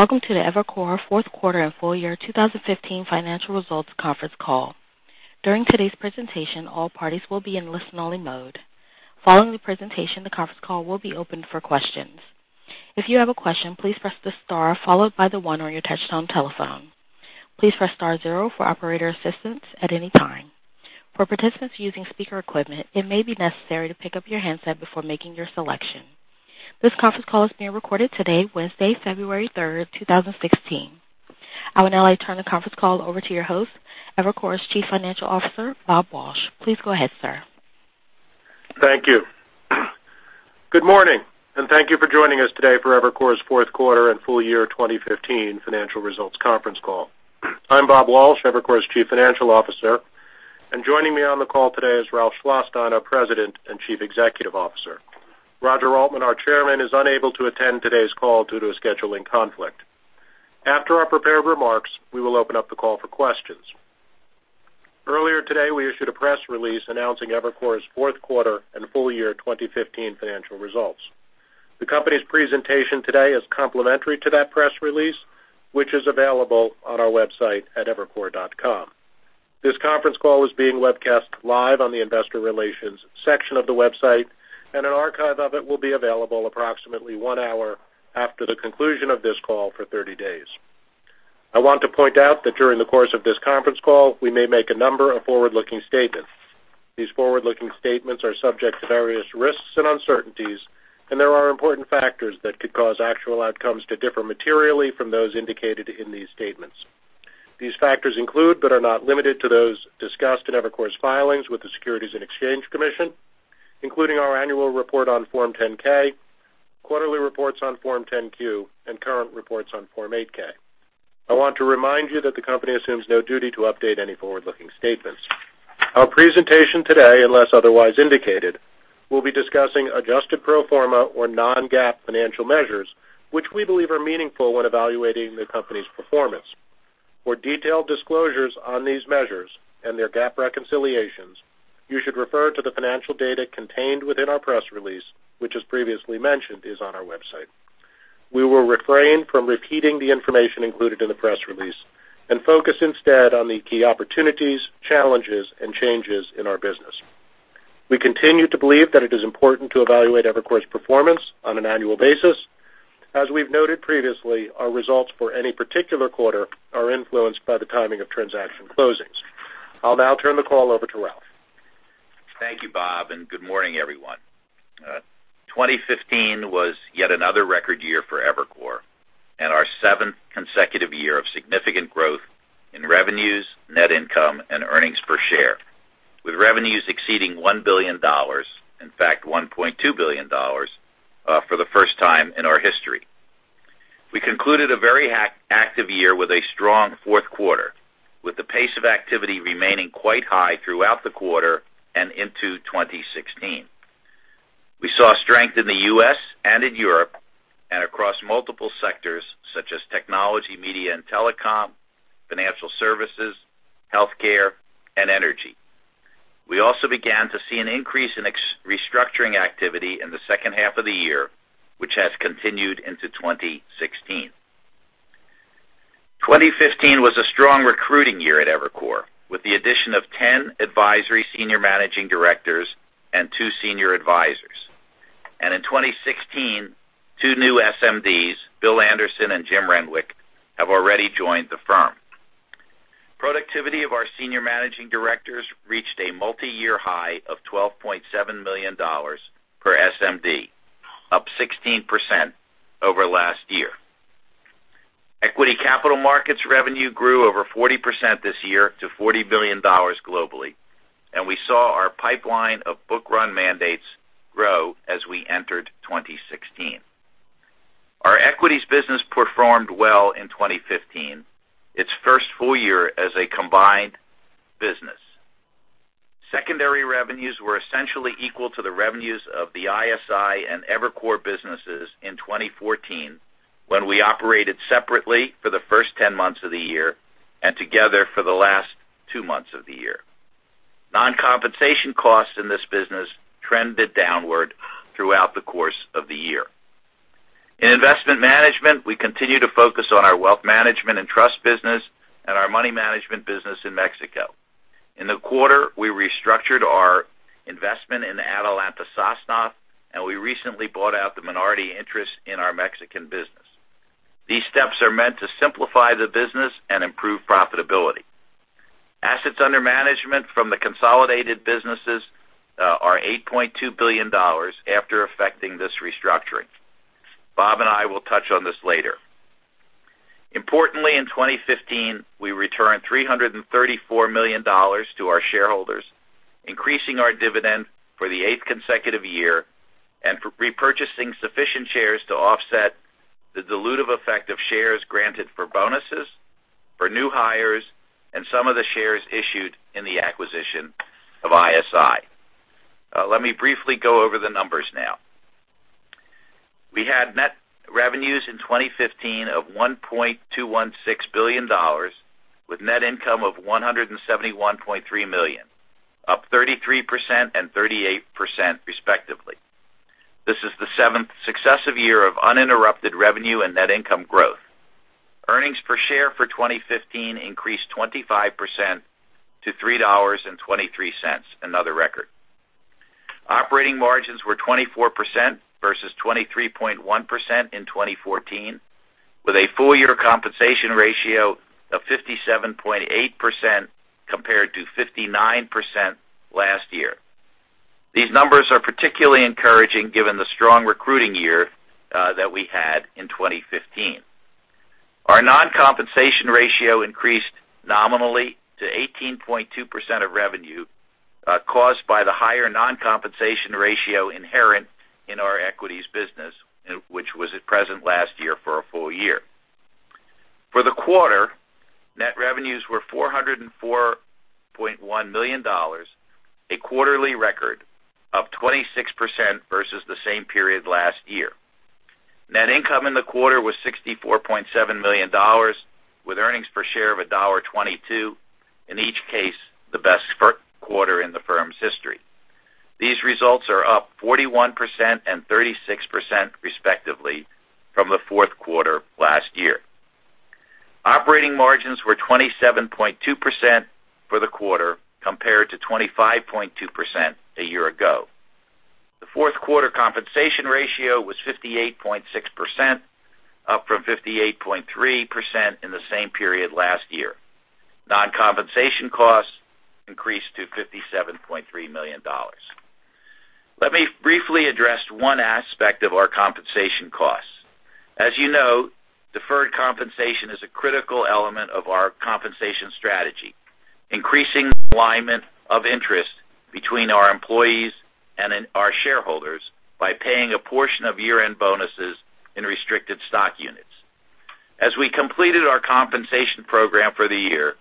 Welcome to the Evercore fourth quarter and full year 2015 financial results conference call. During today's presentation, all parties will be in listen-only mode. Following the presentation, the conference call will be opened for questions. If you have a question, please press the star followed by the one on your touchtone telephone. Please press star zero for operator assistance at any time. For participants using speaker equipment, it may be necessary to pick up your handset before making your selection. This conference call is being recorded today, Wednesday, February 3rd, 2016. I would now like to turn the conference call over to your host, Evercore's Chief Financial Officer, Robert Walsh. Please go ahead, sir. Thank you. Good morning, and thank you for joining us today for Evercore's fourth quarter and full year 2015 financial results conference call. I'm Robert Walsh, Evercore's Chief Financial Officer. Joining me on the call today is Ralph Schlosstein, our President and Chief Executive Officer. Roger Altman, our Chairman, is unable to attend today's call due to a scheduling conflict. After our prepared remarks, we will open up the call for questions. Earlier today, we issued a press release announcing Evercore's fourth quarter and full year 2015 financial results. The company's presentation today is complementary to that press release, which is available on our website at evercore.com. This conference call is being webcast live on the investor relations section of the website, and an archive of it will be available approximately one hour after the conclusion of this call for 30 days. I want to point out that during the course of this conference call, we may make a number of forward-looking statements. These forward-looking statements are subject to various risks and uncertainties, and there are important factors that could cause actual outcomes to differ materially from those indicated in these statements. These factors include, but are not limited to those discussed in Evercore's filings with the Securities and Exchange Commission, including our annual report on Form 10-K, quarterly reports on Form 10-Q, and current reports on Form 8-K. I want to remind you that the company assumes no duty to update any forward-looking statements. Our presentation today, unless otherwise indicated, will be discussing adjusted pro forma or non-GAAP financial measures, which we believe are meaningful when evaluating the company's performance. For detailed disclosures on these measures and their GAAP reconciliations, you should refer to the financial data contained within our press release, which, as previously mentioned, is on our website. We will refrain from repeating the information included in the press release and focus instead on the key opportunities, challenges, and changes in our business. We continue to believe that it is important to evaluate Evercore's performance on an annual basis. As we've noted previously, our results for any particular quarter are influenced by the timing of transaction closings. I'll now turn the call over to Ralph. Thank you, Bob, good morning, everyone. 2015 was yet another record year for Evercore and our seventh consecutive year of significant growth in revenues, net income, and earnings per share. With revenues exceeding $1 billion, in fact, $1.2 billion, for the first time in our history. We concluded a very active year with a strong fourth quarter, with the pace of activity remaining quite high throughout the quarter and into 2016. We saw strength in the U.S. and in Europe across multiple sectors such as technology, media and telecom, financial services, healthcare, and energy. We also began to see an increase in restructuring activity in the second half of the year, which has continued into 2016. 2015 was a strong recruiting year at Evercore, with the addition of 10 advisory Senior Managing Directors and two Senior Advisors. In 2016, two new SMDs, Bill Anderson and Jim Renwick, have already joined the firm. Productivity of our Senior Managing Directors reached a multi-year high of $12.7 million per SMD, up 16% over last year. Equity capital markets revenue grew over 40% this year to $40 billion globally. We saw our pipeline of book-run mandates grow as we entered 2016. Our equities business performed well in 2015, its first full year as a combined business. Secondary revenues were essentially equal to the revenues of the ISI and Evercore businesses in 2014, when we operated separately for the first 10 months of the year and together for the last two months of the year. Non-compensation costs in this business trended downward throughout the course of the year. In investment management, we continue to focus on our wealth management and trust business and our money management business in Mexico. In the quarter, we restructured our investment in Atalanta Sosnoff. We recently bought out the minority interest in our Mexican business. These steps are meant to simplify the business and improve profitability. Assets under management from the consolidated businesses are $8.2 billion after effecting this restructuring. Bob and I will touch on this later. Importantly, in 2015, we returned $334 million to our shareholders, increasing our dividend for the eighth consecutive year. We repurchased sufficient shares to offset the dilutive effect of shares granted for bonuses for new hires and some of the shares issued in the acquisition of ISI. Let me briefly go over the numbers now. We had net revenues in 2015 of $1.216 billion, with net income of $171.3 million. Up 33%, 38% respectively. This is the seventh successive year of uninterrupted revenue and net income growth. Earnings per share for 2015 increased 25% to $3.23, another record. Operating margins were 24% versus 23.1% in 2014, with a full-year compensation ratio of 57.8% compared to 59% last year. These numbers are particularly encouraging given the strong recruiting year that we had in 2015. Our non-compensation ratio increased nominally to 18.2% of revenue, caused by the higher non-compensation ratio inherent in our equities business, which was at present last year for a full year. For the quarter, net revenues were $404.1 million, a quarterly record, up 26% versus the same period last year. Net income in the quarter was $64.7 million, with earnings per share of $1.22, in each case, the best quarter in the firm's history. These results are up 41%, 36% respectively from the fourth quarter last year. Operating margins were 27.2% for the quarter compared to 25.2% a year ago. The fourth quarter compensation ratio was 58.6%, up from 58.3% in the same period last year. Non-compensation costs increased to $57.3 million. Let me briefly address one aspect of our compensation costs. As you know, deferred compensation is a critical element of our compensation strategy, increasing the alignment of interest between our employees and our shareholders by paying a portion of year-end bonuses in restricted stock units. As we completed our compensation program for the year,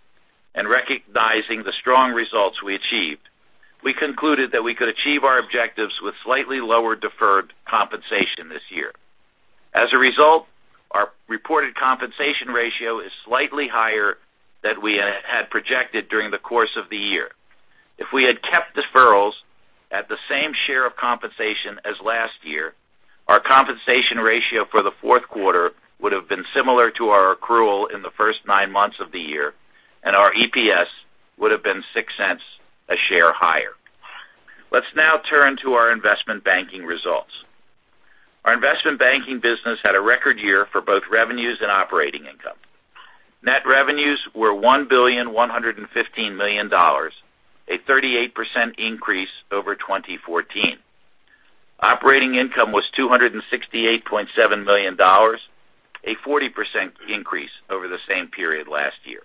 and recognizing the strong results we achieved, we concluded that we could achieve our objectives with slightly lower deferred compensation this year. As a result, our reported compensation ratio is slightly higher than we had projected during the course of the year. If we had kept deferrals at the same share of compensation as last year, our compensation ratio for the fourth quarter would've been similar to our accrual in the first nine months of the year, and our EPS would've been $0.06 a share higher. Let's now turn to our investment banking results. Our investment banking business had a record year for both revenues and operating income. Net revenues were $1.115 billion, a 38% increase over 2014. Operating income was $268.7 million, a 40% increase over the same period last year.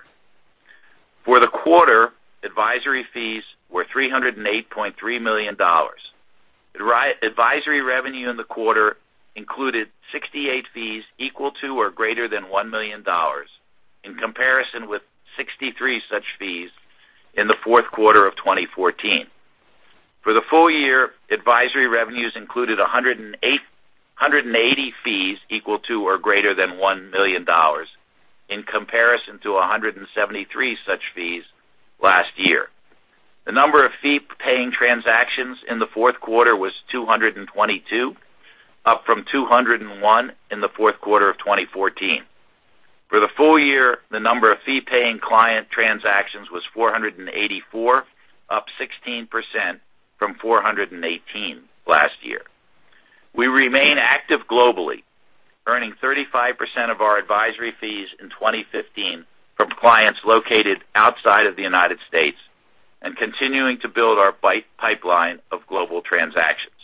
For the quarter, advisory fees were $308.3 million. Advisory revenue in the quarter included 68 fees equal to or greater than $1 million, in comparison with 63 such fees in the fourth quarter of 2014. For the full year, advisory revenues included 180 fees equal to or greater than $1 million in comparison to 173 such fees last year. The number of fee-paying transactions in the fourth quarter was 222, up from 201 in the fourth quarter of 2014. For the full year, the number of fee-paying client transactions was 484, up 16% from 418 last year. We remain active globally, earning 35% of our advisory fees in 2015 from clients located outside of the U.S., and continuing to build our pipeline of global transactions.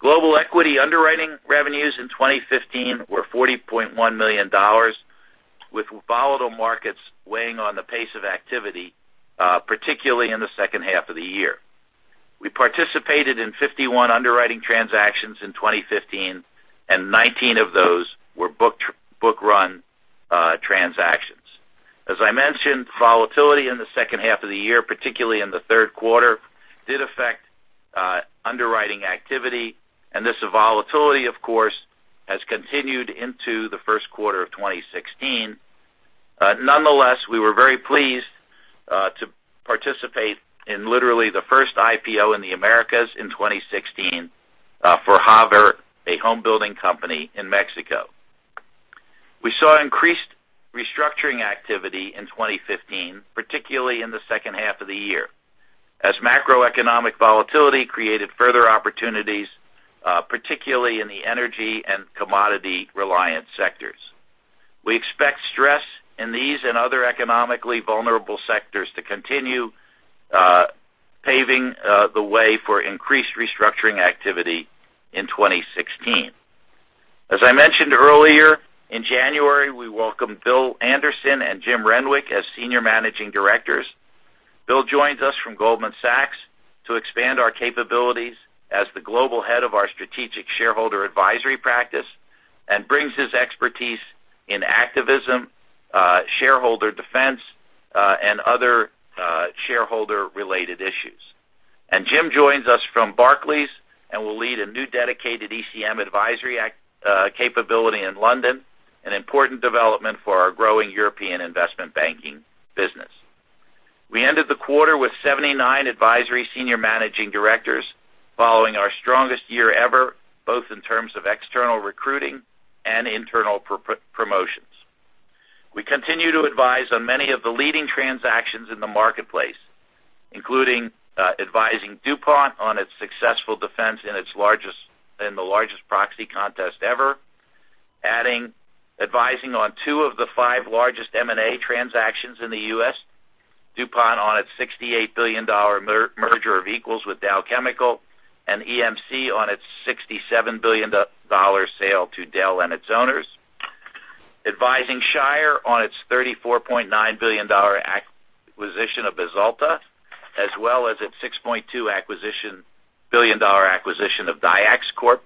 Global equity underwriting revenues in 2015 were $40.1 million, with volatile markets weighing on the pace of activity, particularly in the second half of the year. We participated in 51 underwriting transactions in 2015, and 19 of those were book run transactions. As I mentioned, volatility in the second half of the year, particularly in the third quarter, did affect underwriting activity, and this volatility, of course, has continued into the first quarter of 2016. Nonetheless, we were very pleased to participate in literally the first IPO in the Americas in 2016 for Javer, a home building company in Mexico. We saw increased restructuring activity in 2015, particularly in the second half of the year, as macroeconomic volatility created further opportunities, particularly in the energy and commodity-reliant sectors. We expect stress in these and other economically vulnerable sectors to continue, paving the way for increased restructuring activity in 2016. As I mentioned earlier, in January, we welcomed Bill Anderson and Jim Renwick as Senior Managing Directors. Bill joins us from Goldman Sachs to expand our capabilities as the global head of our strategic shareholder advisory practice and brings his expertise in activism, shareholder defense, and other shareholder-related issues. Jim joins us from Barclays and will lead a new dedicated ECM advisory capability in London, an important development for our growing European investment banking business. We ended the quarter with 79 advisory senior managing directors following our strongest year ever, both in terms of external recruiting and internal promotions. We continue to advise on many of the leading transactions in the marketplace, including advising DuPont on its successful defense in the largest proxy contest ever. Advising on two of the five largest M&A transactions in the U.S., DuPont on its $68 billion merger of equals with Dow Chemical, and EMC on its $67 billion sale to Dell and its owners. Advising Shire on its $34.9 billion acquisition of Baxalta, as well as its $6.2 billion acquisition of Dyax Corp.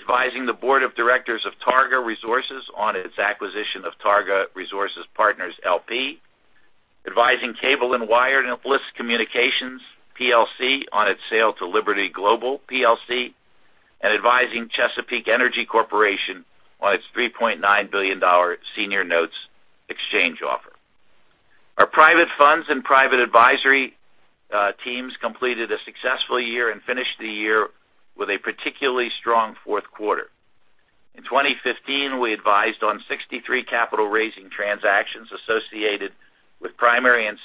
Advising the board of directors of Targa Resources on its acquisition of Targa Resources Partners LP. Advising Cable & Wireless Communications Plc on its sale to Liberty Global PLC. Advising Chesapeake Energy Corporation on its $3.9 billion senior notes exchange offer. Our private funds and private advisory teams completed a successful year and finished the year with a particularly strong fourth quarter. In 2015, we advised on 63 capital-raising transactions associated with primary and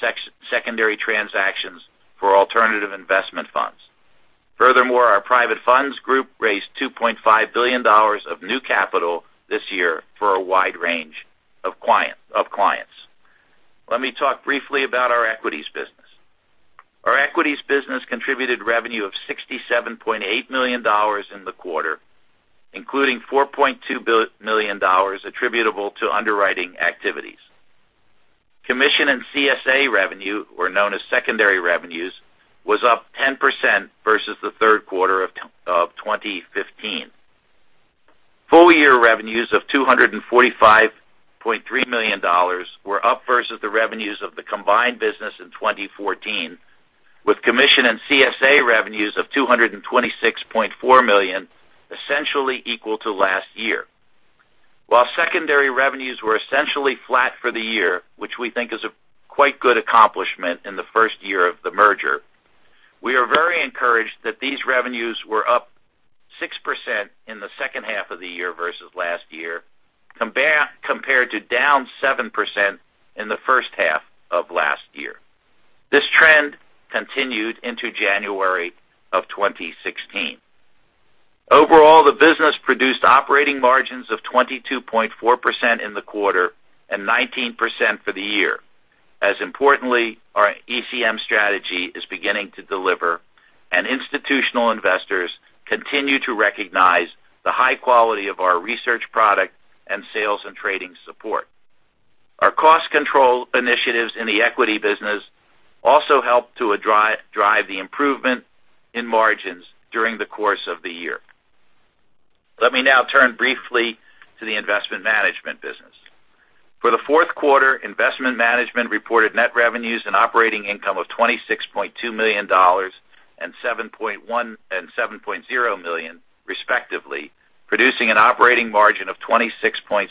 secondary transactions for alternative investment funds. Our private funds group raised $2.5 billion of new capital this year for a wide range of clients. Let me talk briefly about our equities business. Our equities business contributed revenue of $67.8 million in the quarter, including $4.2 million attributable to underwriting activities. Commission and CSA revenue, or known as secondary revenues, was up 10% versus the third quarter of 2015. Full-year revenues of $245.3 million were up versus the revenues of the combined business in 2014, with commission and CSA revenues of $226.4 million, essentially equal to last year. While secondary revenues were essentially flat for the year, which we think is a quite good accomplishment in the first year of the merger, we are very encouraged that these revenues were up 6% in the second half of the year versus last year, compared to down 7% in the first half of last year. This trend continued into January of 2016. Overall, the business produced operating margins of 22.4% in the quarter and 19% for the year. As importantly, our ECM strategy is beginning to deliver, institutional investors continue to recognize the high quality of our research product and sales and trading support. Our cost control initiatives in the equity business also help to drive the improvement in margins during the course of the year. Let me now turn briefly to the investment management business. For the fourth quarter, investment management reported net revenues and operating income of $26.2 million and $7.0 million, respectively, producing an operating margin of 26.7%.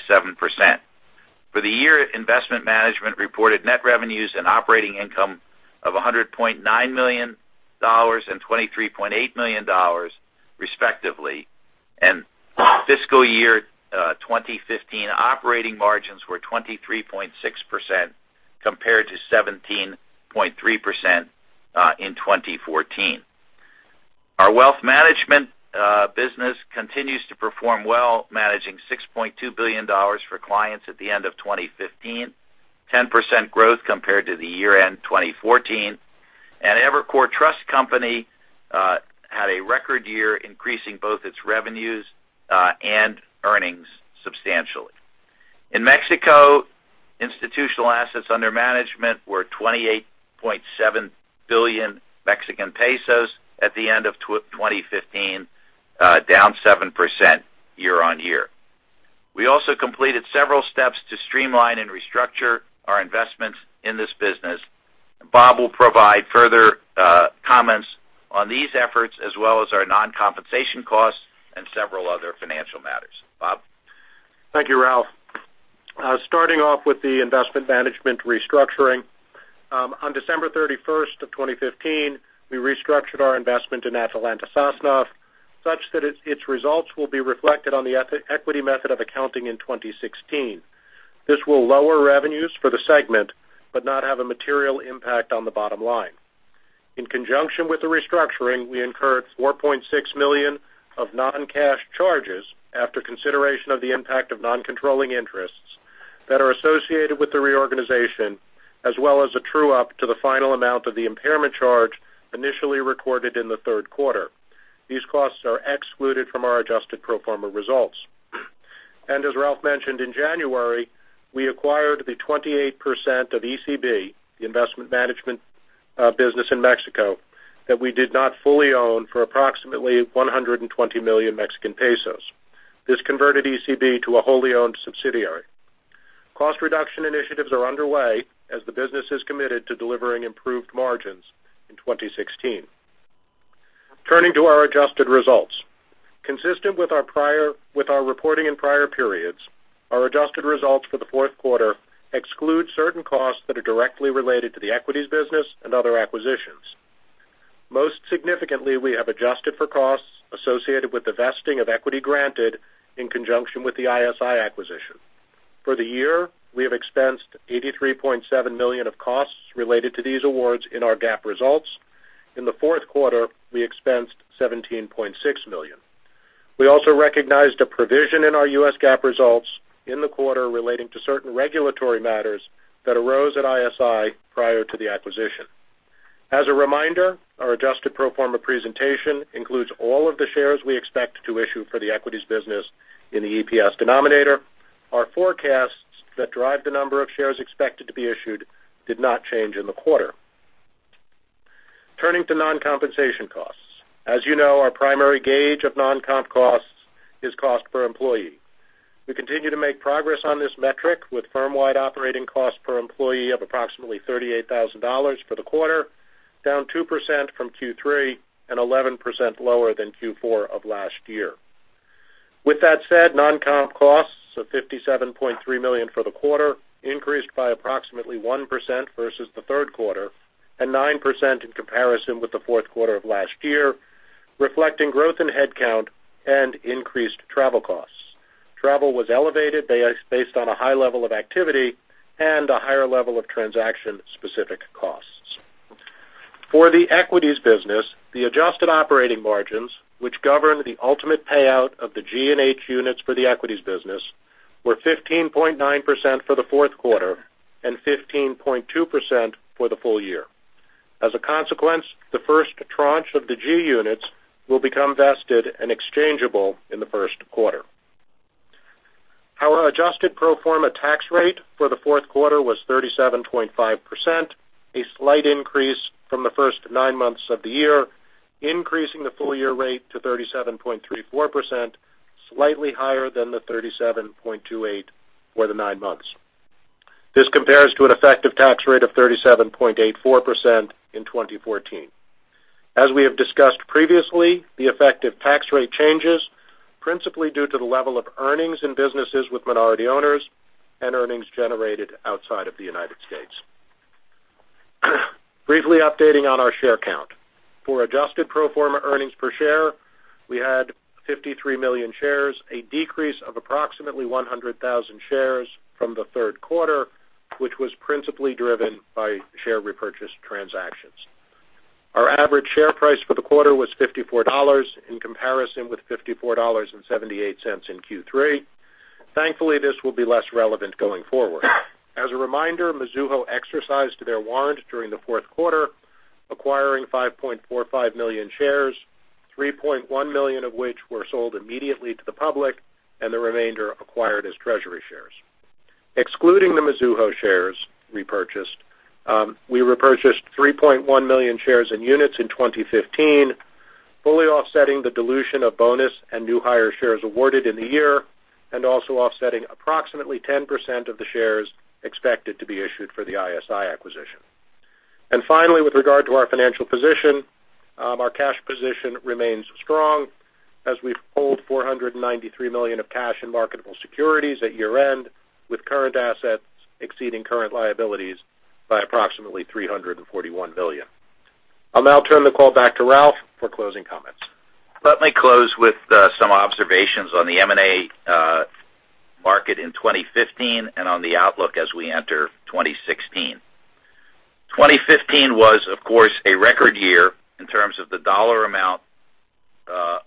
For the year, investment management reported net revenues and operating income of $100.9 million and $23.8 million, respectively. For fiscal year 2015, operating margins were 23.6%, compared to 17.3% in 2014. Our wealth management business continues to perform well, managing $6.2 billion for clients at the end of 2015, 10% growth compared to the year-end 2014. Evercore Trust Company had a record year, increasing both its revenues and earnings substantially. In Mexico, institutional assets under management were 28.7 billion Mexican pesos at the end of 2015, down 7% year-over-year. We also completed several steps to streamline and restructure our investments in this business. Bob will provide further comments on these efforts as well as our non-compensation costs and several other financial matters. Bob? Thank you, Ralph. Starting off with the investment management restructuring. On December 31, 2015, we restructured our investment in Atalanta Sosnoff, such that its results will be reflected on the equity method of accounting in 2016. This will lower revenues for the segment, but not have a material impact on the bottom line. In conjunction with the restructuring, we incurred $4.6 million of non-cash charges after consideration of the impact of non-controlling interests that are associated with the reorganization, as well as a true-up to the final amount of the impairment charge initially recorded in the third quarter. These costs are excluded from our adjusted pro forma results. As Ralph mentioned, in January, we acquired the 28% of ECB, the investment management business in Mexico that we did not fully own for approximately 120 million Mexican pesos. This converted ECB to a wholly owned subsidiary. Cost reduction initiatives are underway as the business is committed to delivering improved margins in 2016. Turning to our adjusted results. Consistent with our reporting in prior periods, our adjusted results for the fourth quarter exclude certain costs that are directly related to the equities business and other acquisitions. Most significantly, we have adjusted for costs associated with the vesting of equity granted in conjunction with the ISI acquisition. For the year, we have expensed $83.7 million of costs related to these awards in our GAAP results. In the fourth quarter, we expensed $17.6 million. We also recognized a provision in our US GAAP results in the quarter relating to certain regulatory matters that arose at ISI prior to the acquisition. As a reminder, our adjusted pro forma presentation includes all of the shares we expect to issue for the equities business in the EPS denominator. Our forecasts that drive the number of shares expected to be issued did not change in the quarter. Turning to non-compensation costs. As you know, our primary gauge of non-comp costs is cost per employee. We continue to make progress on this metric with firm-wide operating costs per employee of approximately $38,000 for the quarter, down 2% from Q3 and 11% lower than Q4 of last year. With that said, non-comp costs of $57.3 million for the quarter increased by approximately 1% versus the third quarter and 9% in comparison with the fourth quarter of last year, reflecting growth in headcount and increased travel costs. Travel was elevated based on a high level of activity and a higher level of transaction-specific costs. For the equities business, the adjusted operating margins, which govern the ultimate payout of the G and H units for the equities business, were 15.9% for the fourth quarter and 15.2% for the full year. As a consequence, the first tranche of the G units will become vested and exchangeable in the first quarter. Our adjusted pro forma tax rate for the fourth quarter was 37.5%, a slight increase from the first nine months of the year, increasing the full-year rate to 37.34%, slightly higher than the 37.28% for the nine months. This compares to an effective tax rate of 37.84% in 2014. As we have discussed previously, the effective tax rate changes principally due to the level of earnings in businesses with minority owners and earnings generated outside of the U.S. Briefly updating on our share count. For adjusted pro forma earnings per share, we had 53 million shares, a decrease of approximately 100,000 shares from the third quarter, which was principally driven by share repurchase transactions. Our average share price for the quarter was $54 in comparison with $54.78 in Q3. Thankfully, this will be less relevant going forward. As a reminder, Mizuho exercised their warrant during the fourth quarter, acquiring 5.45 million shares, 3.1 million of which were sold immediately to the public, and the remainder acquired as treasury shares. Excluding the Mizuho shares repurchased, we repurchased 3.1 million shares in units in 2015, fully offsetting the dilution of bonus and new hire shares awarded in the year, and also offsetting approximately 10% of the shares expected to be issued for the ISI acquisition. Finally, with regard to our financial position, our cash position remains strong as we've hold $493 million of cash and marketable securities at year-end, with current assets exceeding current liabilities by approximately $341 million. I'll now turn the call back to Ralph for closing comments. Let me close with some observations on the M&A market in 2015 and on the outlook as we enter 2016. 2015 was, of course, a record year in terms of the dollar amount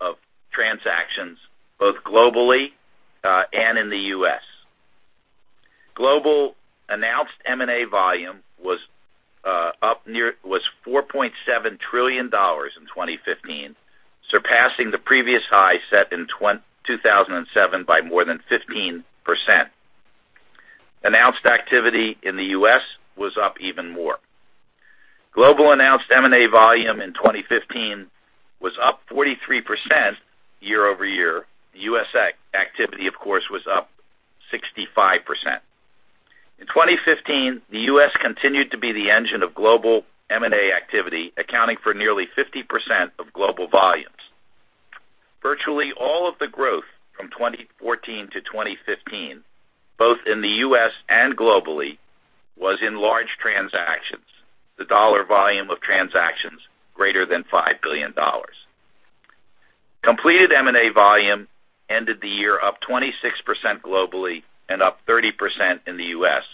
of transactions both globally and in the U.S. Global announced M&A volume was $4.7 trillion in 2015, surpassing the previous high set in 2007 by more than 15%. Announced activity in the U.S. was up even more. Global announced M&A volume in 2015 was up 43% year-over-year. U.S. activity, of course, was up 65%. In 2015, the U.S. continued to be the engine of global M&A activity, accounting for nearly 50% of global volumes. Virtually all of the growth from 2014 to 2015, both in the U.S. and globally, was in large transactions, the dollar volume of transactions greater than $5 billion. Completed M&A volume ended the year up 26% globally and up 30% in the U.S.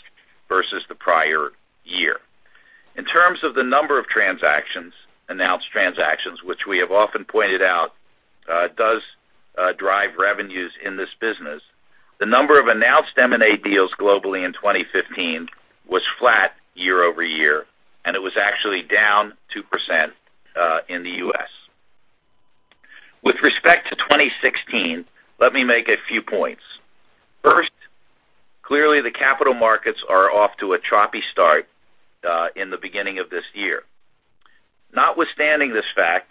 versus the prior year. In terms of the number of announced transactions, which we have often pointed out does drive revenues in this business, the number of announced M&A deals globally in 2015 was flat year-over-year, and it was actually down 2% in the U.S. With respect to 2016, let me make a few points. First, clearly the capital markets are off to a choppy start in the beginning of this year. Notwithstanding this fact,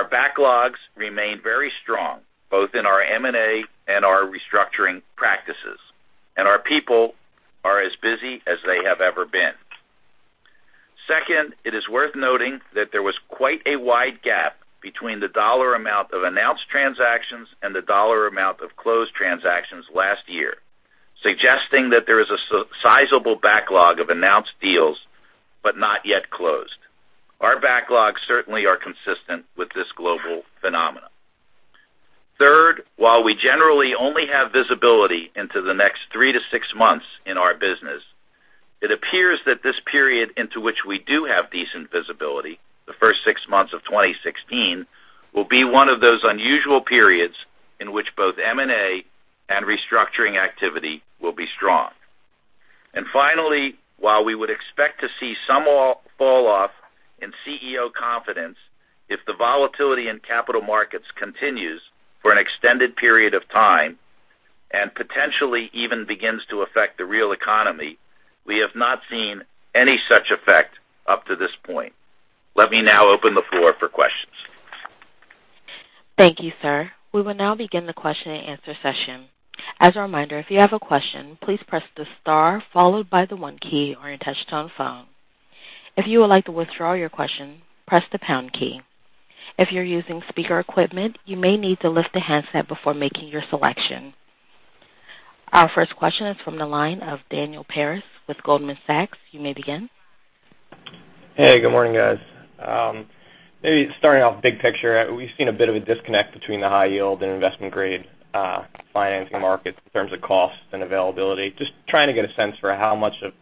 backlogs remain very strong, both in our M&A and our restructuring practices, and our people are as busy as they have ever been. Second, it is worth noting that there was quite a wide gap between the dollar amount of announced transactions and the dollar amount of closed transactions last year, suggesting that there is a sizable backlog of announced deals, but not yet closed. Our backlogs certainly are consistent with this global phenomenon. Third, while we generally only have visibility into the next three to six months in our business, it appears that this period into which we do have decent visibility, the first six months of 2016, will be one of those unusual periods in which both M&A and restructuring activity will be strong. Finally, while we would expect to see some falloff in CEO confidence if the volatility in capital markets continues for an an extended period of time and potentially even begins to affect the real economy, we have not seen any such effect up to this point. Let me now open the floor for questions. Thank you, sir. We will now begin the question and answer session. As a reminder, if you have a question, please press the star followed by the one key on your touch-tone phone. If you would like to withdraw your question, press the pound key. If you're using speaker equipment, you may need to lift the handset before making your selection. Our first question is from the line of Richard Ramsden with Goldman Sachs. You may begin. Hey, good morning, guys. Maybe starting off big picture, we've seen a bit of a disconnect between the high yield and investment-grade financing markets in terms of cost and availability. Just trying to get a sense for how much the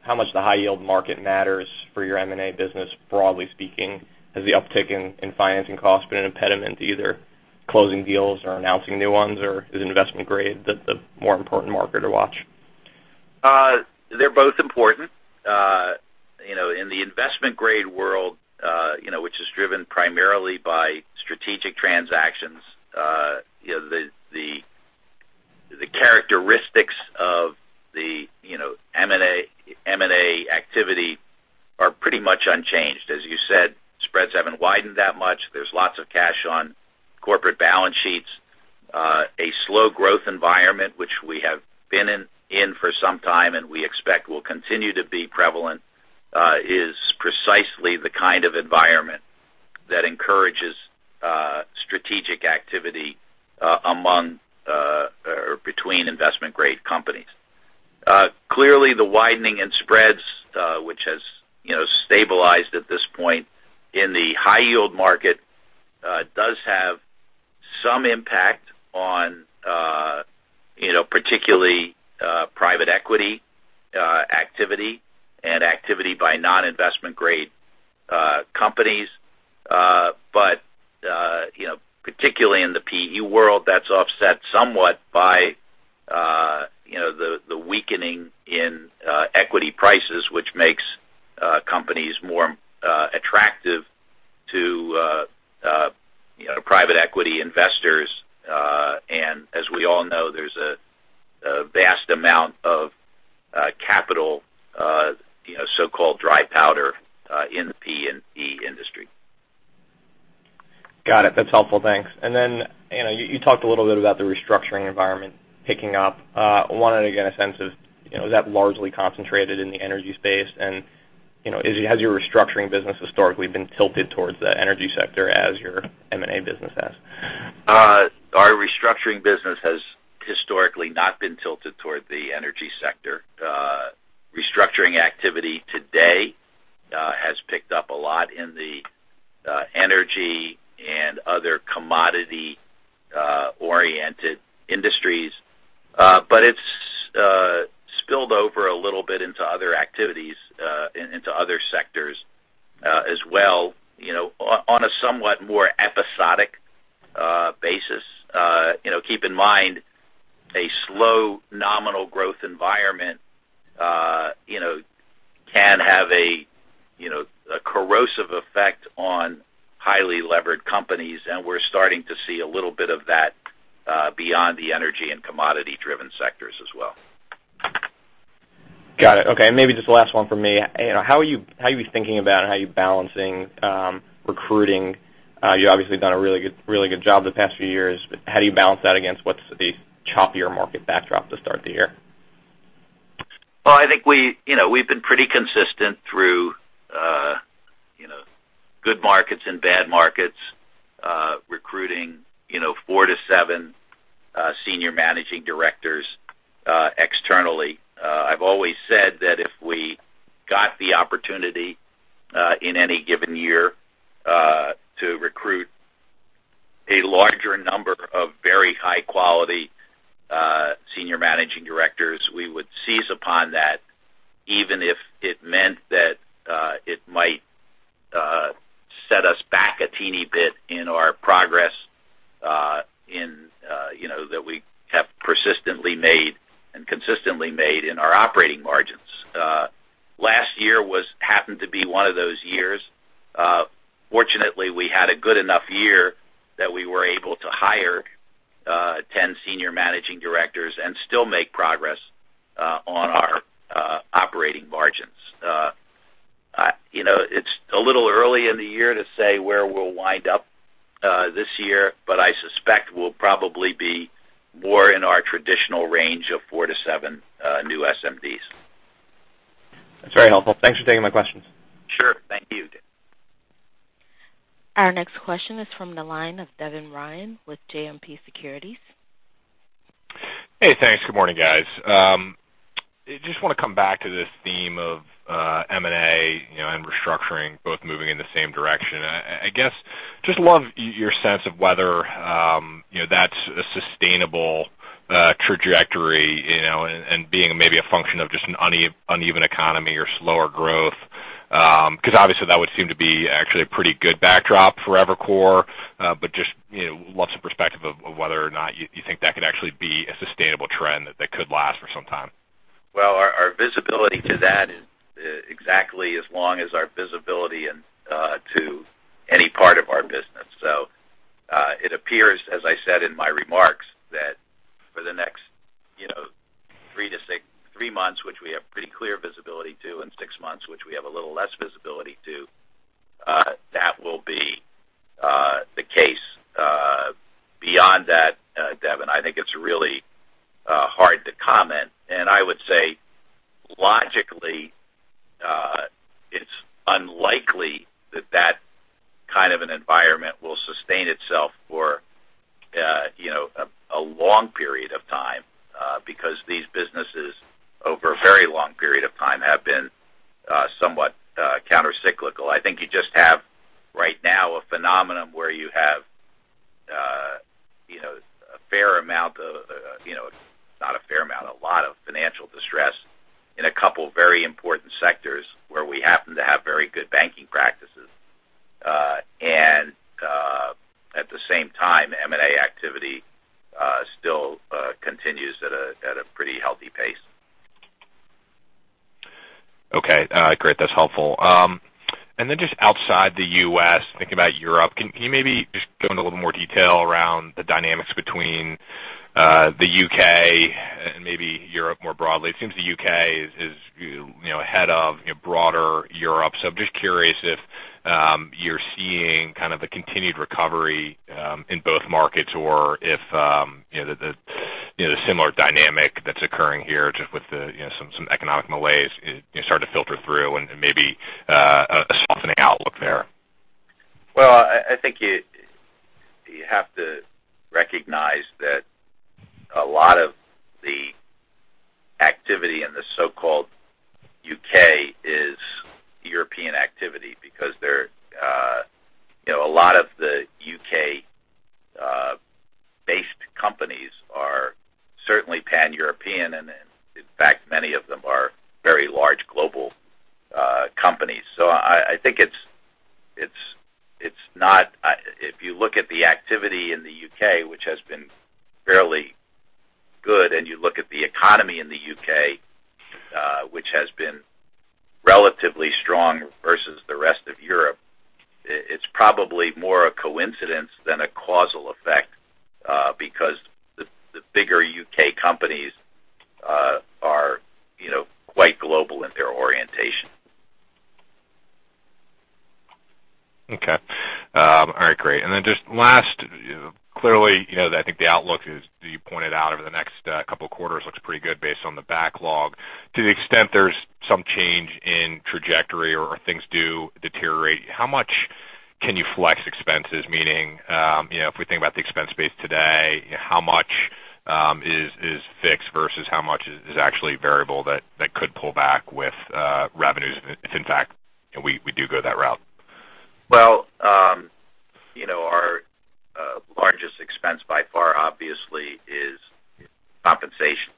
high-yield market matters for your M&A business, broadly speaking. Has the uptick in financing costs been an impediment to either closing deals or announcing new ones, or is investment grade the more important market to watch? They're both important. In the investment-grade world, which is driven primarily by strategic transactions, the characteristics of the M&A activity are pretty much unchanged. As you said, spreads haven't widened that much. There's lots of cash on corporate balance sheets. A slow growth environment, which we have been in for some time and we expect will continue to be prevalent, is precisely the kind of environment that encourages strategic activity between investment-grade companies. Clearly, the widening in spreads, which has stabilized at this point in the high-yield market, does have some impact on particularly private equity activity and activity by non-investment-grade companies. Particularly in the PE world, that's offset somewhat by the weakening in equity prices, which makes companies more attractive to private equity investors. As we all know, there's a vast amount of capital, so-called dry powder, in the PE industry. Got it. That's helpful. Thanks. You talked a little bit about the restructuring environment picking up. I wanted to get a sense of, is that largely concentrated in the energy space? Has your restructuring business historically been tilted towards the energy sector as your M&A business has? Our restructuring business has historically not been tilted toward the energy sector. Restructuring activity today has picked up a lot in the energy and other commodity-oriented industries. It's spilled over a little bit into other activities, into other sectors as well on a somewhat more episodic basis. Keep in mind, a slow nominal growth environment can have a corrosive effect on highly levered companies, and we're starting to see a little bit of that beyond the energy and commodity-driven sectors as well. Got it. Okay. Maybe just the last one from me. How are you thinking about and how are you balancing recruiting? You've obviously done a really good job the past few years, but how do you balance that against what's the choppier market backdrop to start the year? Well, I think we've been pretty consistent through good markets and bad markets, recruiting four to seven Senior Managing Directors externally. I've always said that if we got the opportunity in any given year to recruit a larger number of very high-quality Senior Managing Directors, we would seize upon that, even if it meant that it might set us back a teeny bit in our progress that we have persistently made and consistently made in our operating margins. Last year happened to be one of those years. Fortunately, we had a good enough year that we were able to hire 10 Senior Managing Directors and still make progress. It's a little early in the year to say where we'll wind up this year, but I suspect we'll probably be more in our traditional range of four to seven new SMDs. That's very helpful. Thanks for taking my questions. Sure. Thank you. Our next question is from the line of Devin Ryan with JMP Securities. Hey, thanks. Good morning, guys. Just want to come back to this theme of M&A and restructuring, both moving in the same direction. I guess, just love your sense of whether that's a sustainable trajectory, and being maybe a function of just an uneven economy or slower growth. Obviously that would seem to be actually a pretty good backdrop for Evercore. Just would love some perspective of whether or not you think that could actually be a sustainable trend that could last for some time. Well, our visibility to that is exactly as long as our visibility to any part of our business. It appears, as I said in my remarks, that for the next three months, which we have pretty clear visibility to, and six months, which we have a little less visibility to, that will be the case. Beyond that, Devin, I think it's really hard to comment. I would say, logically, it's unlikely that that kind of an environment will sustain itself for a long period of time, because these businesses, over a very long period of time, have been somewhat countercyclical. I think you just have, right now, a phenomenon where you have a lot of financial distress in a couple of very important sectors where we happen to have very good banking practices. At the same time, M&A activity still continues at a pretty healthy pace. Okay. Great. That's helpful. Then just outside the U.S., thinking about Europe, can you maybe just go into a little more detail around the dynamics between the U.K. and maybe Europe more broadly? It seems the U.K. is ahead of broader Europe. I'm just curious if you're seeing kind of a continued recovery in both markets or if the similar dynamic that's occurring here just with some economic malaise start to filter through and maybe a softening outlook there. Well, I think you have to recognize that a lot of the activity in the so-called U.K. is European activity, because a lot of the U.K.-based companies are certainly pan-European, and in fact, many of them are very large global companies. If you look at the activity in the U.K., which has been fairly good, and you look at the economy in the U.K., which has been relatively strong versus the rest of Europe, it's probably more a coincidence than a causal effect, because the bigger U.K. companies are quite global in their orientation. Okay. All right, great. Then just last, clearly, I think the outlook is, you pointed out, over the next couple of quarters looks pretty good based on the backlog. To the extent there's some change in trajectory or things do deteriorate, how much can you flex expenses? Meaning, if we think about the expense base today, how much is fixed versus how much is actually variable that could pull back with revenues, if in fact, we do go that route? Well, our largest expense by far obviously is compensation.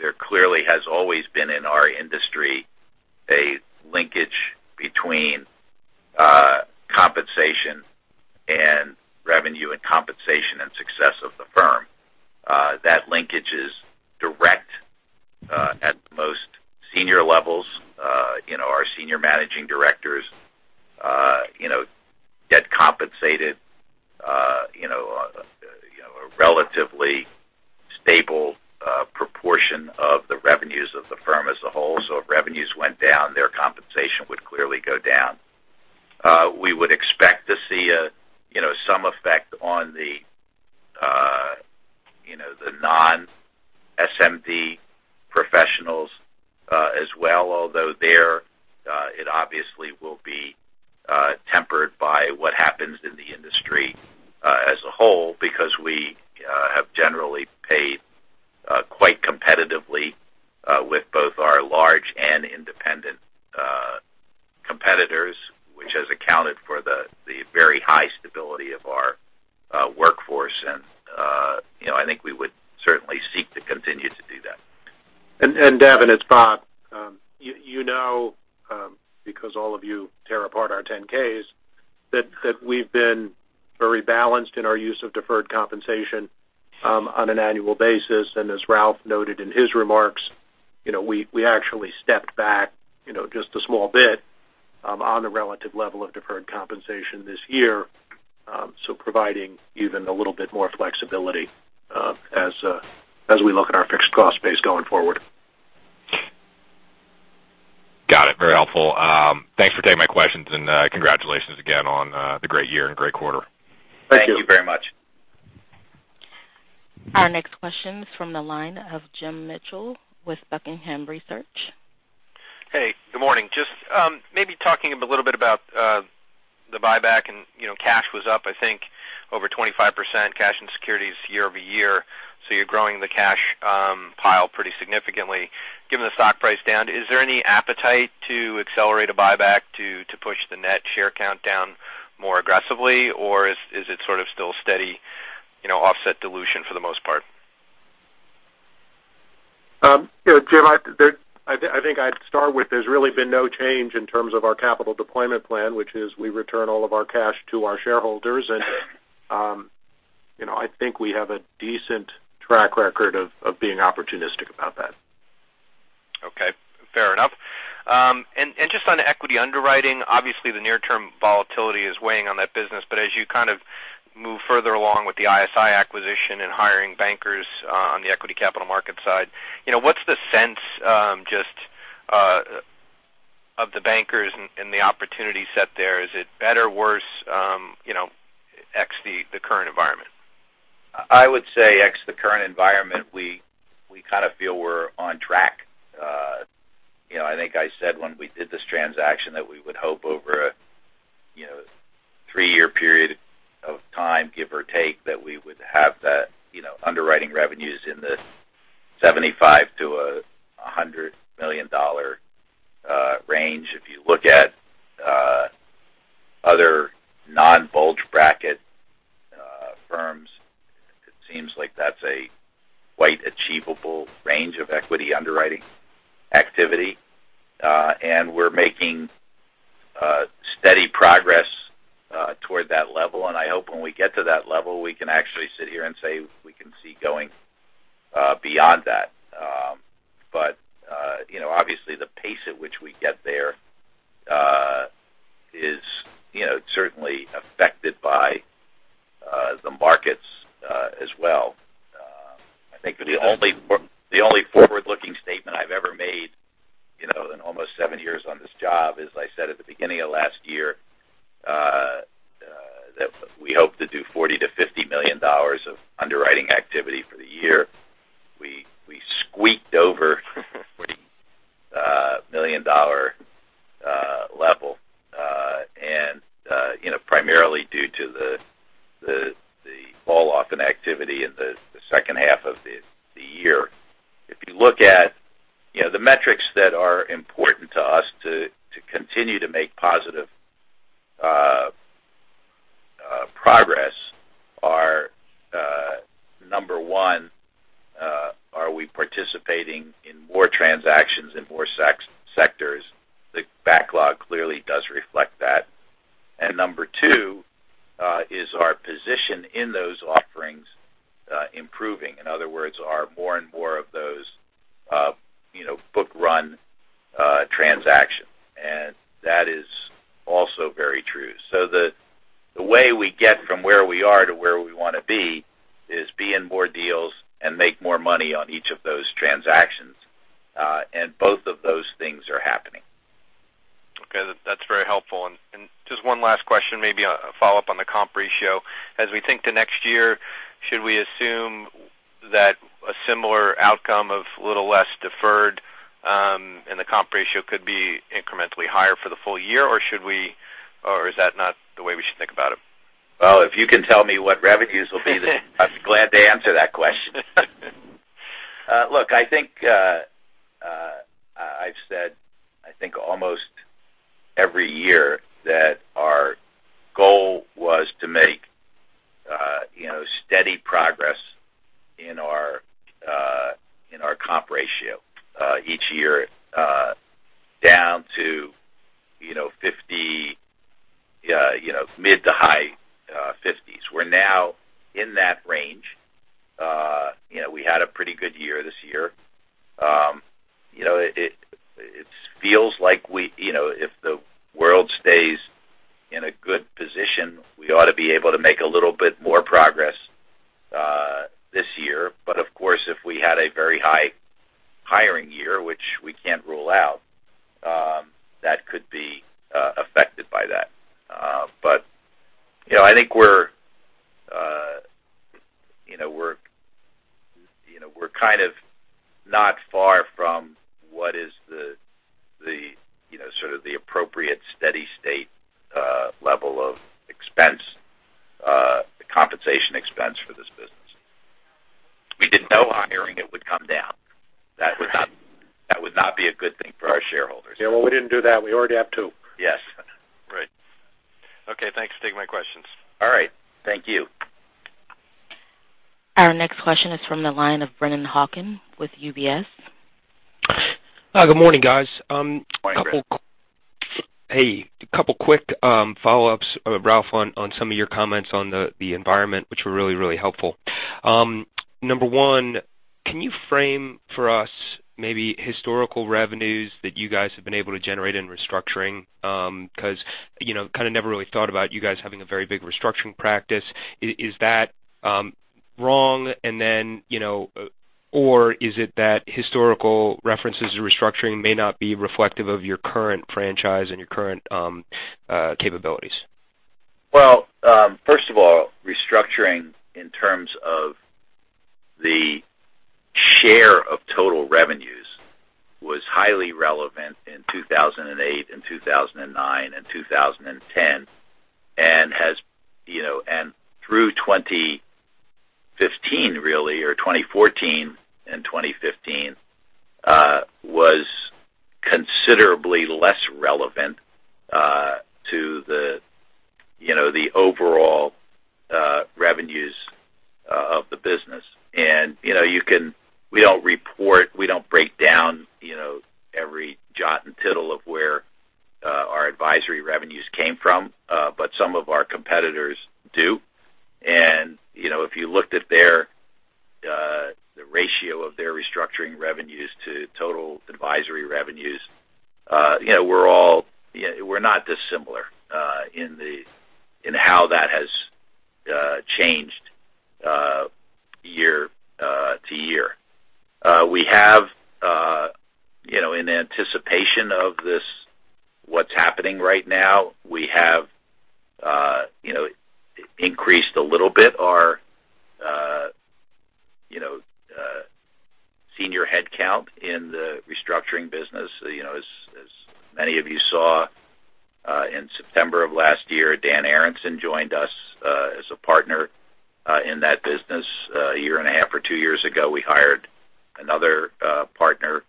There clearly has always been in our industry a linkage between compensation and revenue, and compensation and success of the firm. That linkage is direct at most senior levels. Our Senior Managing Directors get compensated a relatively stable proportion of the revenues of the firm as a whole. If revenues went down, their compensation would clearly go down. We would expect to see some effect on the non-SMD professionals as well. Although there, it obviously will be tempered by what happens in the industry as a whole because we have generally paid quite competitively with both our large and independent competitors, which has accounted for the very high stability of our workforce. I think we would certainly seek to continue to do that. Devin, it's Bob. You know because all of you tear apart our 10-Ks, that we've been very balanced in our use of deferred compensation on an annual basis. As Ralph noted in his remarks, we actually stepped back just a small bit on the relative level of deferred compensation this year, providing even a little bit more flexibility as we look at our fixed cost base going forward. Got it. Very helpful. Thanks for taking my questions and congratulations again on the great year and great quarter. Thank you. Thank you very much. Our next question is from the line of Jim Mitchell with Buckingham Research. Hey, good morning. Just maybe talking a little bit about the buyback and cash was up, I think, over 25%, cash and securities year-over-year. You're growing the cash pile pretty significantly. Given the stock price down, is there any appetite to accelerate a buyback to push the net share count down more aggressively, or is it sort of still steady offset dilution for the most part? Yeah, Jim, I think I'd start with there's really been no change in terms of our capital deployment plan, which is we return all of our cash to our shareholders. I think we have a decent track record of being opportunistic about that. Okay. Fair enough. Just on equity underwriting, obviously the near-term volatility is weighing on that business, but as you kind of move further along with the ISI acquisition and hiring bankers on the equity capital market side, what's the sense just of the bankers and the opportunity set there? Is it better, worse, ex the current environment? I would say ex the current environment, we kind of feel we're on track. I think I said when we did this transaction that we would hope over a three-year period of time, give or take, that we would have that underwriting revenues in the $75 million-$100 million range. If you look at other non-bulge bracket firms, it seems like that's a quite achievable range of equity underwriting activity. We're making steady progress toward that level. I hope when we get to that level, we can actually sit here and say we can see going beyond that. Obviously the pace at which we get there is certainly affected by the markets as well. I think the only forward-looking statement I've ever made in almost 7 years on this job is I said at the beginning of last year that we hope to do $40 million-$50 million of underwriting activity for the year. We squeaked over the $40 million level, primarily due to the falloff in activity in the second half of the year. If you look at the metrics that are important to us to continue to make positive progress are, number 1, are we participating in more transactions in more sectors? The backlog clearly does reflect that. Number 2, is our position in those offerings improving? In other words, are more and more of those book run transactions. That is also very true. The way we get from where we are to where we want to be is be in more deals and make more money on each of those transactions. Both of those things are happening. Okay. That's very helpful. Just one last question, maybe a follow-up on the comp ratio. As we think to next year, should we assume that a similar outcome of a little less deferred and the comp ratio could be incrementally higher for the full year, or is that not the way we should think about it? Well, if you can tell me what revenues will be, then I'm glad to answer that question. Look, I think I've said, I think almost every year, that our goal was to make steady progress in our comp ratio each year down to mid to high 50s. We're now in that range. We had a pretty good year this year. It feels like if the world stays in a good position, we ought to be able to make a little bit more progress this year. Of course, if we had a very high hiring year, which we can't rule out, that could be affected by that. I think we're kind of not far from what is the sort of the appropriate steady state level of compensation expense for this business. If we didn't no hiring, it would come down. That would not be a good thing for our shareholders. Yeah, well, we didn't do that. We already have two. Yes. Right. Okay, thanks for taking my questions. All right. Thank you. Our next question is from the line of Brennan Hawken with UBS. Good morning, guys. Morning, Brennan. Hey, a couple quick follow-ups, Ralph, on some of your comments on the environment, which were really, really helpful. Number one. Can you frame for us maybe historical revenues that you guys have been able to generate in restructuring? Because kind of never really thought about you guys having a very big restructuring practice. Is that wrong? Or is it that historical references to restructuring may not be reflective of your current franchise and your current capabilities? First of all, restructuring in terms of the share of total revenues was highly relevant in 2008 and 2009 and 2010, and through 2015 really, or 2014 and 2015, was considerably less relevant to the overall revenues of the business. We don't report, we don't break down every jot and tittle of where our advisory revenues came from, but some of our competitors do. If you looked at the ratio of their restructuring revenues to total advisory revenues, we're not dissimilar in how that has changed year to year. In anticipation of what's happening right now, we have increased a little bit our senior headcount in the restructuring business. As many of you saw in September of last year, Daniel Aronson joined us as a partner in that business. A year and a half or two years ago, we hired another partner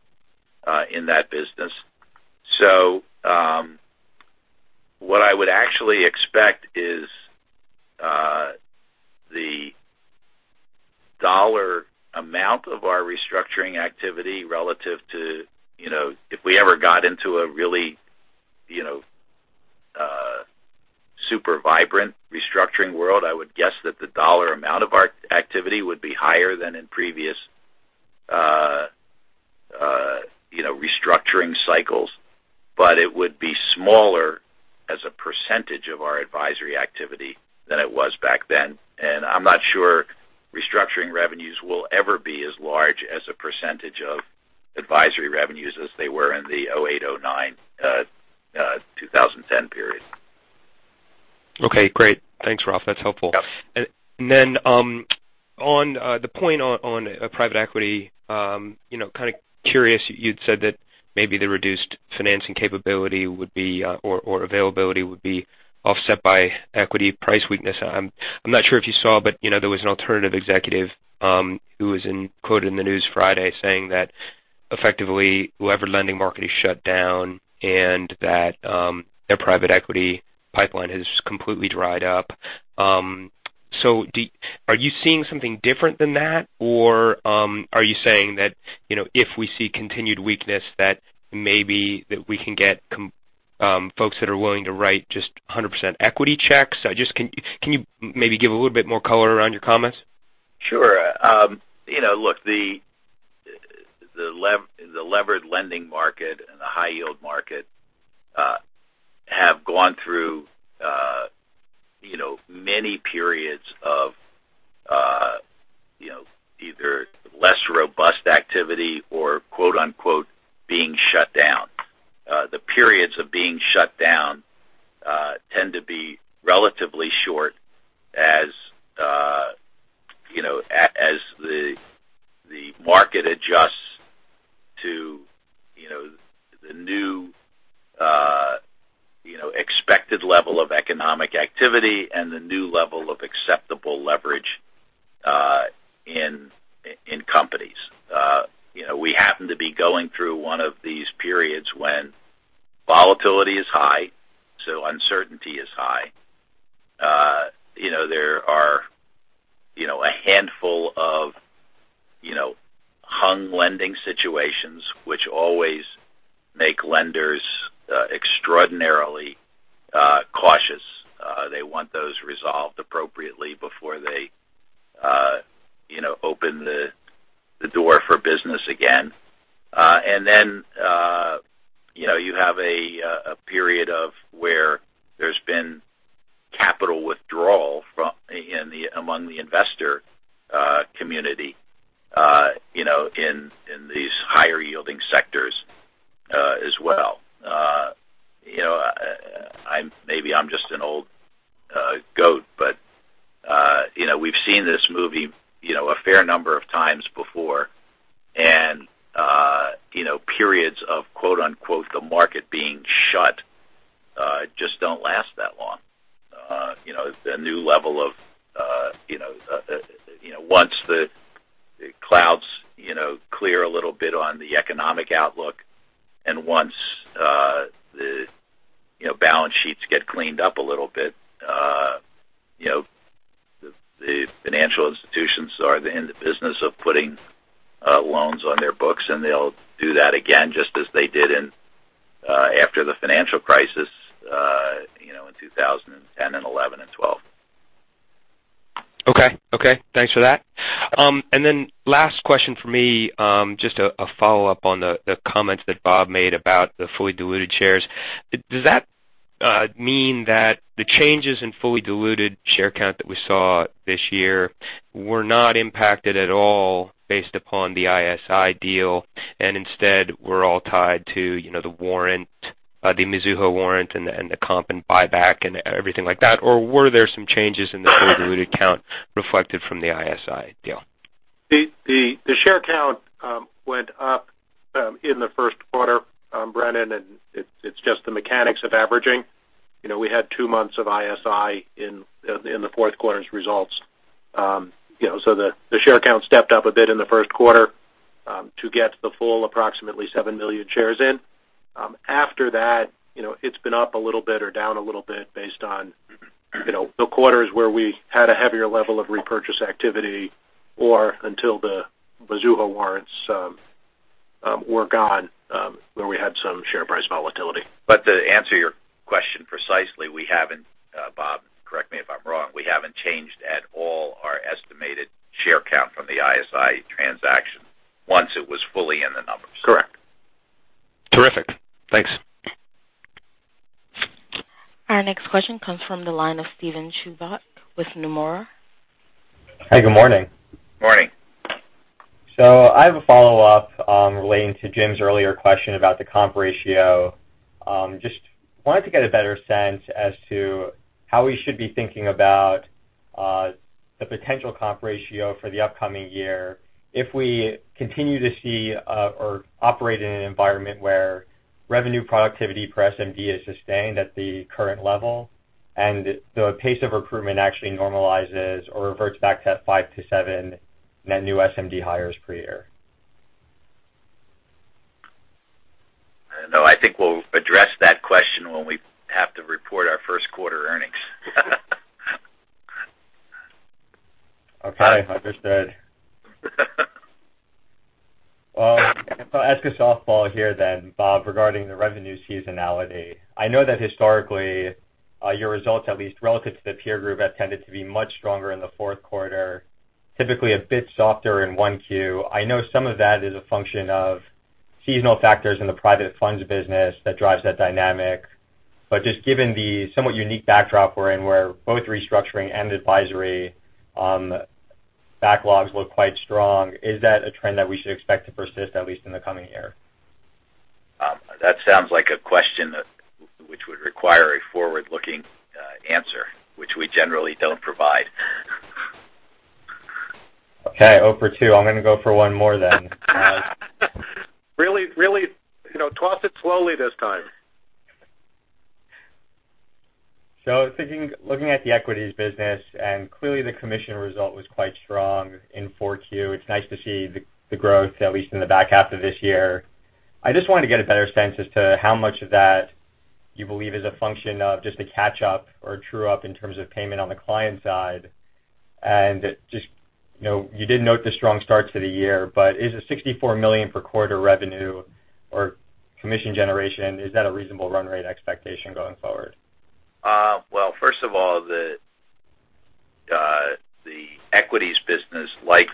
in that business. What I would actually expect is the dollar amount of our restructuring activity relative to if we ever got into a really super vibrant restructuring world, I would guess that the dollar amount of our activity would be higher than in previous restructuring cycles. It would be smaller as a percentage of our advisory activity than it was back then. I'm not sure restructuring revenues will ever be as large as a percentage of advisory revenues as they were in the '08, '09, 2010 period. Great. Thanks, Ralph. That's helpful. Yeah. On the point on private equity, kind of curious, you'd said that maybe the reduced financing capability or availability would be offset by equity price weakness. I'm not sure if you saw, but there was an alternative executive who was quoted in the news Friday saying that effectively levered lending market is shut down, and that their private equity pipeline has completely dried up. Are you seeing something different than that? Are you saying that if we see continued weakness, that maybe that we can get folks that are willing to write just 100% equity checks? Can you maybe give a little bit more color around your comments? Sure. Look, the levered lending market and the high yield market have gone through many periods of either less robust activity or quote unquote "being shut down." The periods of being shut down tend to be relatively short as the market adjusts to the new expected level of economic activity and the new level of acceptable leverage in companies. We happen to be going through one of these periods when volatility is high, so uncertainty is high. There are a handful of hung lending situations which always make lenders extraordinarily cautious. They want those resolved appropriately before they open the door for business again. Then, you have a period of where there's been capital withdrawal among the investor community in these higher yielding sectors as well. Maybe I'm just an old goat, we've seen this movie a fair number of times before, and periods of, quote unquote, "the market being shut" just don't last that long. Once the clouds clear a little bit on the economic outlook, once the balance sheets get cleaned up a little bit, the financial institutions are in the business of putting loans on their books, and they'll do that again, just as they did in After the financial crisis, in 2010 and 2011 and 2012. Okay. Thanks for that. Then last question from me, just a follow-up on the comments that Bob made about the fully diluted shares. Does that mean that the changes in fully diluted share count that we saw this year were not impacted at all based upon the ISI deal, and instead were all tied to the Mizuho warrant and the comp and buyback and everything like that? Or were there some changes in the fully diluted count reflected from the ISI deal? The share count went up in the first quarter, Brennan, and it's just the mechanics of averaging. We had two months of ISI in the fourth quarter's results. The share count stepped up a bit in the first quarter to get the full approximately 7 million shares in. After that, it's been up a little bit or down a little bit based on the quarters where we had a heavier level of repurchase activity, or until the Mizuho warrants were gone, where we had some share price volatility. To answer your question precisely, Bob, correct me if I'm wrong, we haven't changed at all our estimated share count from the ISI transaction once it was fully in the numbers. Correct. Terrific. Thanks. Our next question comes from the line of Steven Chubak with Nomura. Hi, good morning. Morning. I have a follow-up relating to Jim's earlier question about the comp ratio. Just wanted to get a better sense as to how we should be thinking about the potential comp ratio for the upcoming year if we continue to see or operate in an environment where revenue productivity for SMD is sustained at the current level, and the pace of recruitment actually normalizes or reverts back to that five to seven net new SMD hires per year. No, I think we'll address that question when we have to report our first quarter earnings. Okay. Understood. Well, I'll ask a softball here then, Bob, regarding the revenue seasonality. I know that historically, your results, at least relative to the peer group, have tended to be much stronger in the fourth quarter, typically a bit softer in Q1. I know some of that is a function of seasonal factors in the private funds business that drives that dynamic. Just given the somewhat unique backdrop we're in, where both restructuring and advisory backlogs look quite strong, is that a trend that we should expect to persist, at least in the coming year? That sounds like a question which would require a forward-looking answer, which we generally don't provide. Okay, zero for two. I'm going to go for one more then. Really toss it slowly this time. I was looking at the equities business, clearly the commission result was quite strong in Q4. It's nice to see the growth, at least in the back half of this year. I just wanted to get a better sense as to how much of that you believe is a function of just a catch up or true up in terms of payment on the client side. You did note the strong start to the year, but is it $64 million per quarter revenue or commission generation? Is that a reasonable run rate expectation going forward? Well, first of all, the equities business, like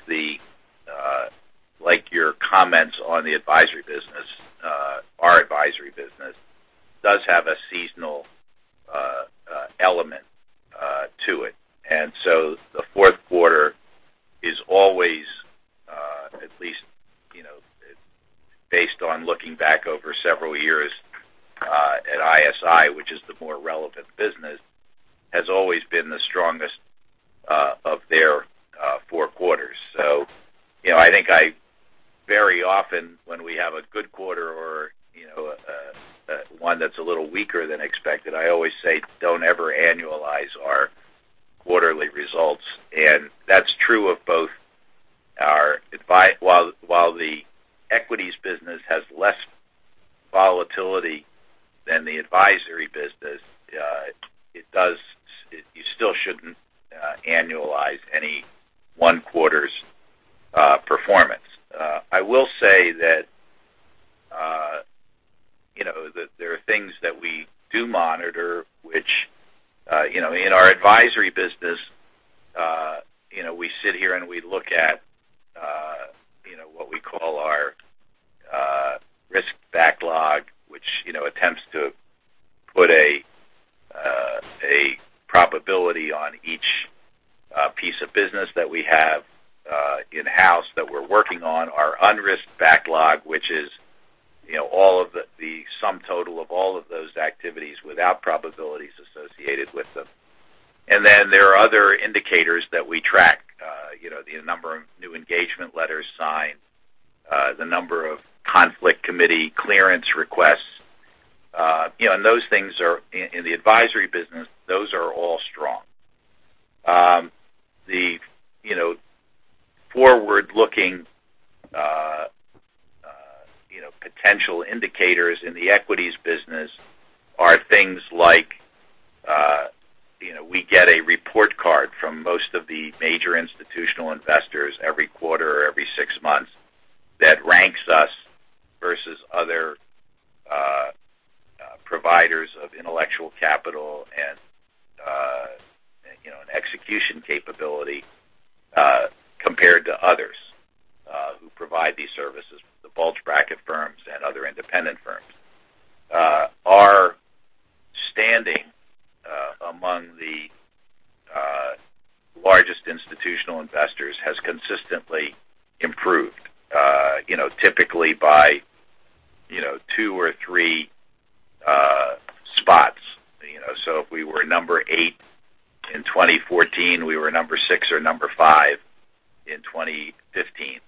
your comments on the advisory business, our advisory business, does have a seasonal element to it. The fourth quarter is always, at least based on looking back over several years at ISI, which is the more relevant business, has always been the strongest of their four quarters. I think I very often, when we have a good quarter or one that's a little weaker than expected, I always say, "Don't ever annualize our quarterly results." That's true of both. While the equities business has less volatility than the advisory business, you still shouldn't annualize any one quarter's performance. I will say that there are things that we do monitor. In our advisory business, we sit here and we look at what we call our risk backlog, which attempts to put a probability on each piece of business that we have in-house that we're working on. Our unrisked backlog, which is the sum total of all of those activities without probabilities associated with them. There are other indicators that we track. The number of new engagement letters signed, the number of conflict committee clearance requests. In the advisory business, those are all strong. The forward-looking potential indicators in the equities business are things like. We get a report card from most of the major institutional investors every quarter or every six months that ranks us versus other providers of intellectual capital and execution capability, compared to others who provide these services, the bulge bracket firms and other independent firms. Our standing among the largest institutional investors has consistently improved, typically by two or three spots. If we were number eight in 2014, we were number six or number five in 2015.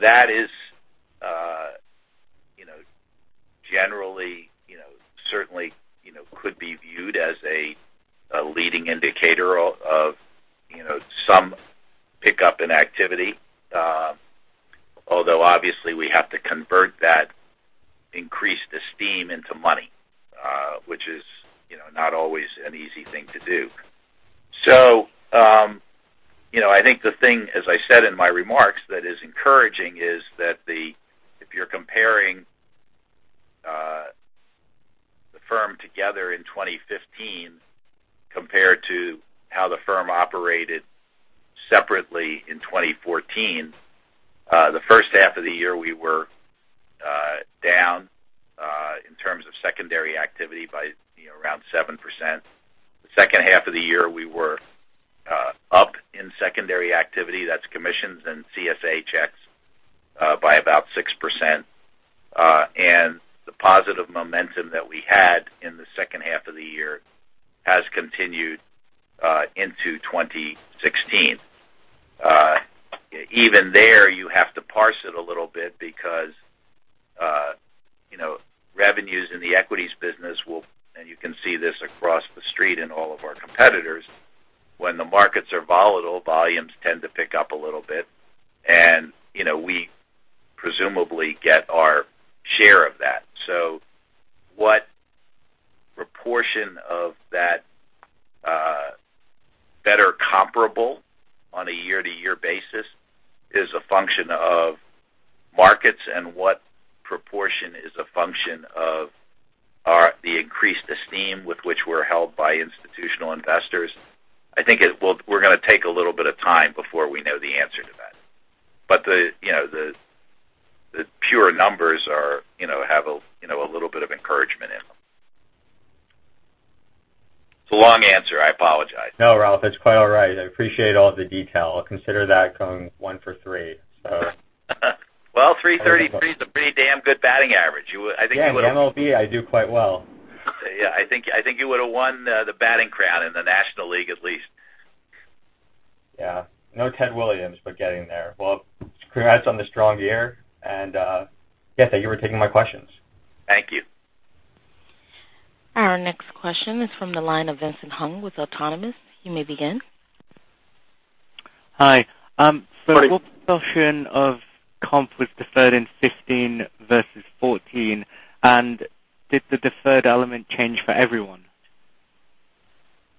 That is generally, certainly could be viewed as a leading indicator of some pickup in activity. Although obviously we have to convert that increased esteem into money, which is not always an easy thing to do. I think the thing, as I said in my remarks, that is encouraging is that if you're comparing the firm together in 2015 compared to how the firm operated separately in 2014, the first half of the year we were down in terms of secondary activity by around 7%. The second half of the year, we were up in secondary activity, that's commissions and CSA checks, by about 6%. The positive momentum that we had in the second half of the year has continued into 2016. Even there, you have to parse it a little bit because revenues in the equities business will, and you can see this across the street in all of our competitors, when the markets are volatile, volumes tend to pick up a little bit. We presumably get our share of that. What proportion of that are comparable on a year-to-year basis is a function of markets and what proportion is a function of the increased esteem with which we're held by institutional investors. I think we're going to take a little bit of time before we know the answer to that. The pure numbers have a little bit of encouragement in them. It's a long answer, I apologize. No, Ralph, it's quite all right. I appreciate all the detail. I'll consider that going one for three. Well, 333 is a pretty damn good batting average. Yeah, in MLB I do quite well. Yeah, I think you would've won the batting crown in the National League, at least. Yeah. No Ted Williams, but getting there. Well, congrats on the strong year, and yeah, thank you for taking my questions. Thank you. Our next question is from the line of Vincent Hung with Autonomous. You may begin. Hi. What Morning. proportion of comp was deferred in 2015 versus 2014, and did the deferred element change for everyone?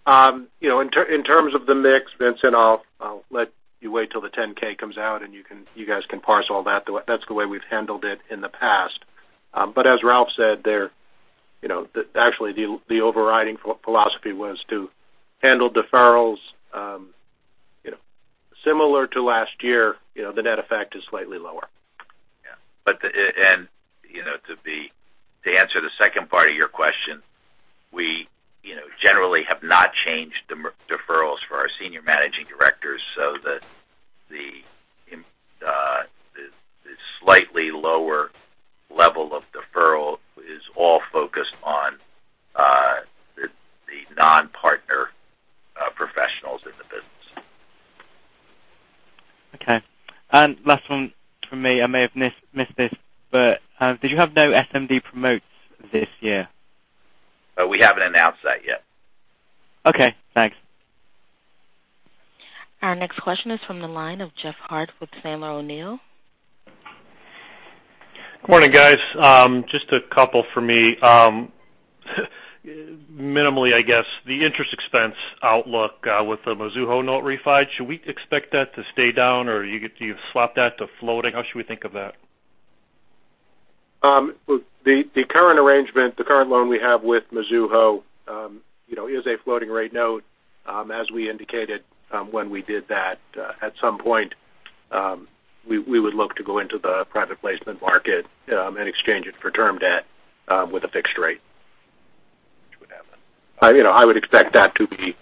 In terms of the mix, Vincent, I'll let you wait till the 10-K comes out, and you guys can parse all that. That's the way we've handled it in the past. As Ralph said, actually the overriding philosophy was to handle deferrals similar to last year. The net effect is slightly lower. Yeah. To answer the second part of your question, we generally have not changed deferrals for our senior managing directors, so the slightly lower level of deferral is all focused on the non-partner professionals in the business. Okay. Last one from me, I may have missed this, did you have no SMD promotes this year? We haven't announced that yet. Okay, thanks. Our next question is from the line of Jeff Harte with Sandler O'Neill. Good morning, guys. Just a couple from me. Minimally, I guess, the interest expense outlook with the Mizuho note refi, should we expect that to stay down, or you've swapped that to floating? How should we think of that? The current arrangement, the current loan we have with Mizuho is a floating rate note. As we indicated when we did that, at some point, we would look to go into the private placement market and exchange it for term debt with a fixed rate. Which would happen. I would expect that to be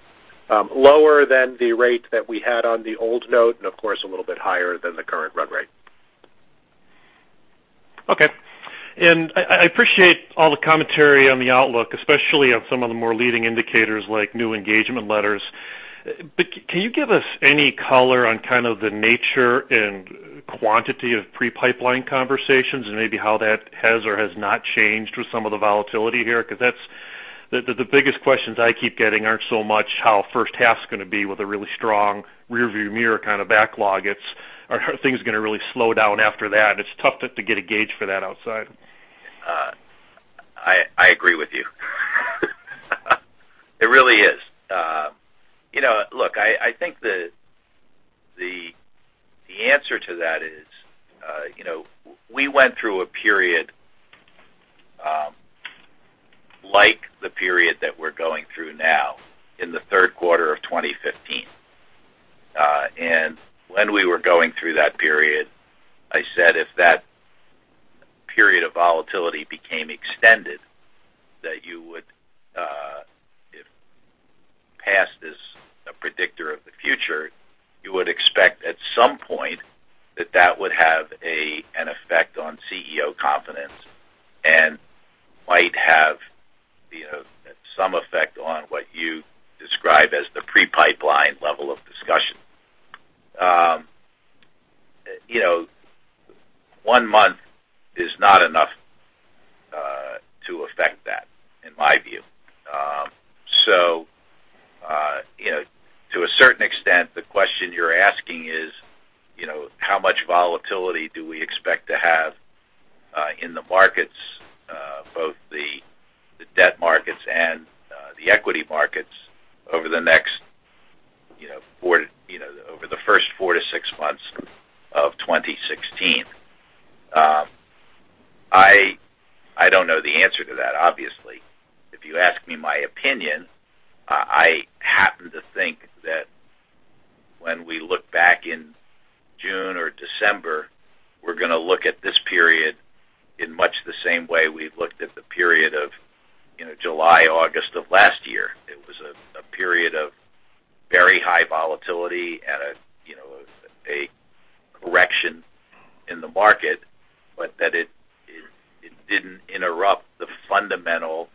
lower than the rate that we had on the old note, and of course, a little bit higher than the current run rate. Okay. I appreciate all the commentary on the outlook, especially on some of the more leading indicators like new engagement letters. Can you give us any color on kind of the nature and quantity of pre-pipeline conversations and maybe how that has or has not changed with some of the volatility here? The biggest questions I keep getting aren't so much how first half's going to be with a really strong rearview mirror kind of backlog. Are things going to really slow down after that? It's tough to get a gauge for that outside. I agree with you. It really is. Look, I think the answer to that is, we went through a period like the period that we're going through now in the third quarter of 2015. When we were going through that period, I said, if that period of volatility became extended, that if past is a predictor of the future, you would expect at some point that that would have an effect on CEO confidence and might have some effect on what you describe as the pre-pipeline level of discussion. One month is not enough to affect that, in my view. To a certain extent, the question you're asking is how much volatility do we expect to have in the markets, both the debt markets and the equity markets over the first four to six months of 2016? I don't know the answer to that, obviously. If you ask me my opinion, I happen to think that when we look back in June or December, we're going to look at this period in much the same way we've looked at the period of July, August of last year. It was a period of very high volatility and a correction in the market, but that it didn't interrupt the fundamental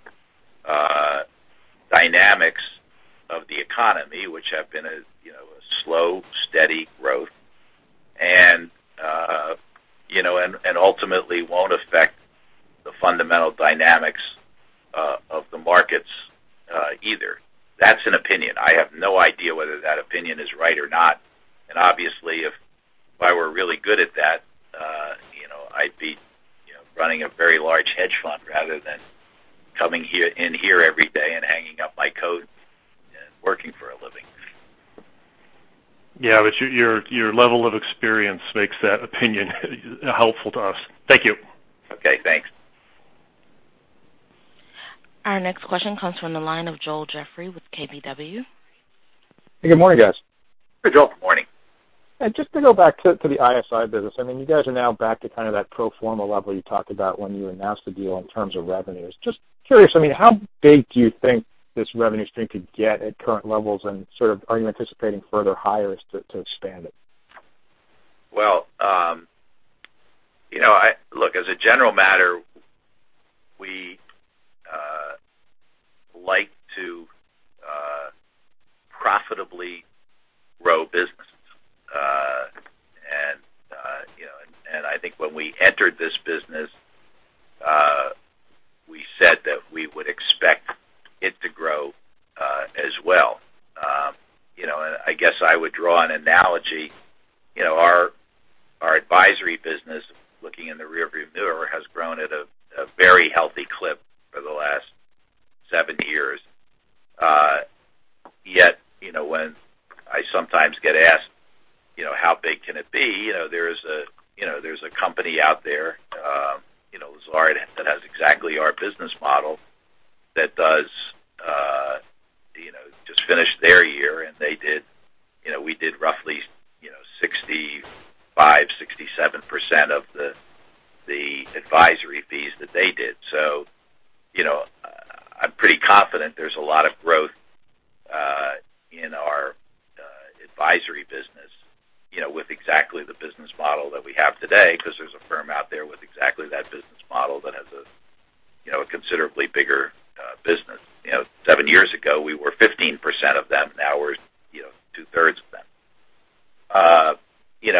dynamics of the economy, which have been a slow, steady growth, and ultimately won't affect the fundamental dynamics of the markets either. That's an opinion. I have no idea whether that opinion is right or not. Obviously, if I were really good at that, I'd be running a very large hedge fund rather than coming in here every day and hanging up my coat and working for a living. Yeah. Your level of experience makes that opinion helpful to us. Thank you. Okay, thanks. Our next question comes from the line of Joel Jeffrey with KBW. Good morning, guys. Hey, Joel, good morning. Just to go back to the ISI business, you guys are now back to that pro forma level you talked about when you announced the deal in terms of revenues. Just curious, how big do you think this revenue stream could get at current levels, and are you anticipating further hires to expand it? Well, look, as a general matter, we like to profitably grow businesses. I think when we entered this business, we said that we would expect it to grow as well. I guess I would draw an analogy. Our advisory business, looking in the rearview mirror, has grown at a very healthy clip for the last seven years. Yet, when I sometimes get asked, how big can it be? There's a company out there, Lazard, that has exactly our business model that just finished their year, and we did roughly 65%, 67% of the advisory fees that they did. I'm pretty confident there's a lot of growth in our advisory business with exactly the business model that we have today, because there's a firm out there with exactly that business model that has a considerably bigger business. Seven years ago, we were 15% of them. we're two-thirds of them.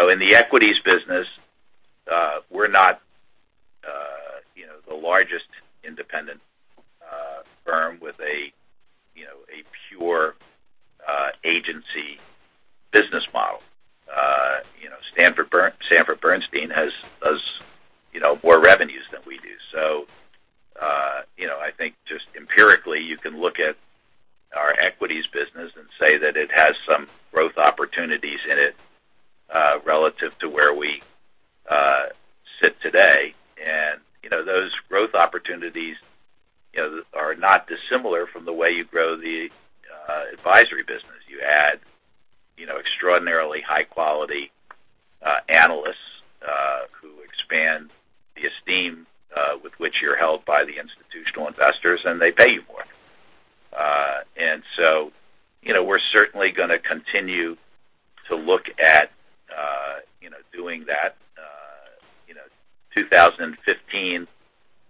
In the equities business, we're not the largest independent firm with a pure agency business model. Sanford Bernstein has more revenues than we do. I think just empirically, you can look at our equities business and say that it has some growth opportunities in it relative to where we sit today. Those growth opportunities are not dissimilar from the way you grow the advisory business. You add extraordinarily high-quality analysts who expand the esteem with which you're held by the institutional investors, and they pay you more. We're certainly going to continue to look at doing that. 2015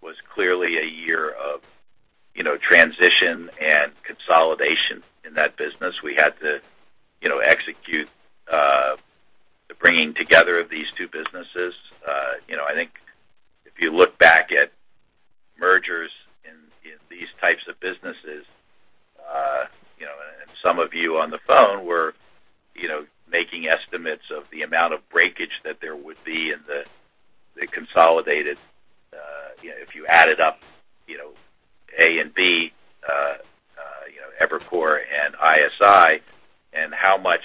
was clearly a year of transition and consolidation in that business. We had to execute the bringing together of these two businesses. I think if you look back at mergers in these types of businesses, and some of you on the phone were making estimates of the amount of breakage that there would be in the consolidated If you added up A and B, Evercore and ISI, and how much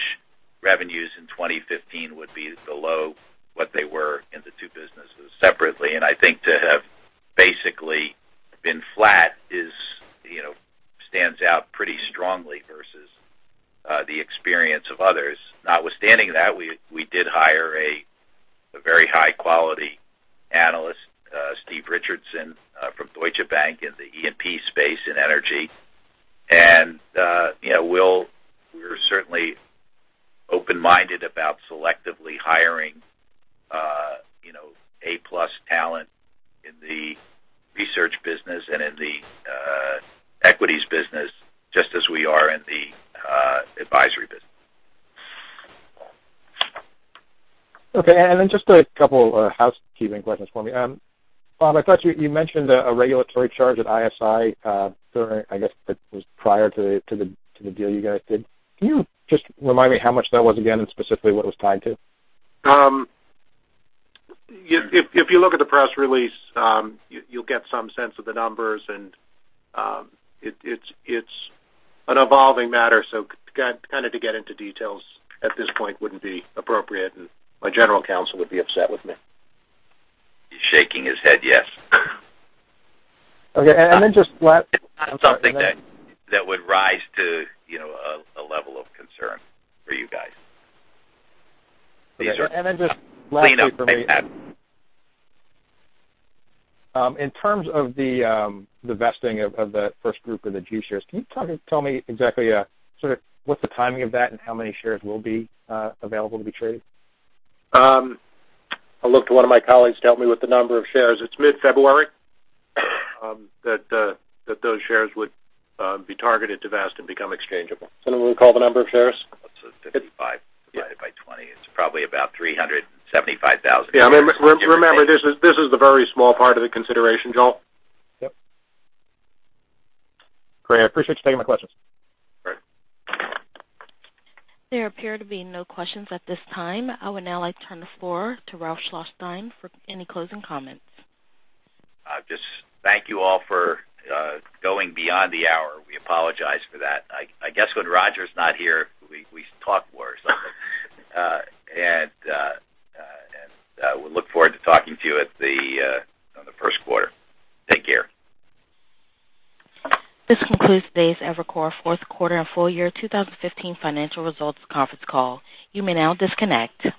revenues in 2015 would be below what they were in the two businesses separately. I think to have basically been flat stands out pretty strongly versus the experience of others. Notwithstanding that, we did hire a very high-quality analyst, Steve Richardson, from Deutsche Bank in the E&P space in energy. We're certainly open-minded about selectively hiring A-plus talent in the research business and in the equities business, just as we are in the advisory business. Okay. Just a couple of housekeeping questions for me. Bob, I thought you mentioned a regulatory charge at ISI during, I guess, that was prior to the deal you guys did. Can you just remind me how much that was again, and specifically what it was tied to? If you look at the press release, you'll get some sense of the numbers, and it's an evolving matter. To get into details at this point wouldn't be appropriate, and my general counsel would be upset with me. He's shaking his head yes. Okay. It's not something that would rise to a level of concern for you guys. Just lastly for me. In terms of the vesting of the first group of the G shares, can you tell me exactly what the timing of that is and how many shares will be available to be traded? I'll look to one of my colleagues to help me with the number of shares. It's mid-February that those shares would be targeted to vest and become exchangeable. Someone recall the number of shares? What's the 55 divided by 20? It's probably about 375,000. Yeah. Remember, this is the very small part of the consideration, Joel. Yep. Great. I appreciate you taking my questions. Great. There appear to be no questions at this time. I would now like to turn the floor to Ralph Schlosstein for any closing comments. Just thank you all for going beyond the hour. We apologize for that. I guess when Roger's not here, we talk more or something. We look forward to talking to you on the first quarter. Take care. This concludes today's Evercore fourth quarter and full year 2015 financial results conference call. You may now disconnect.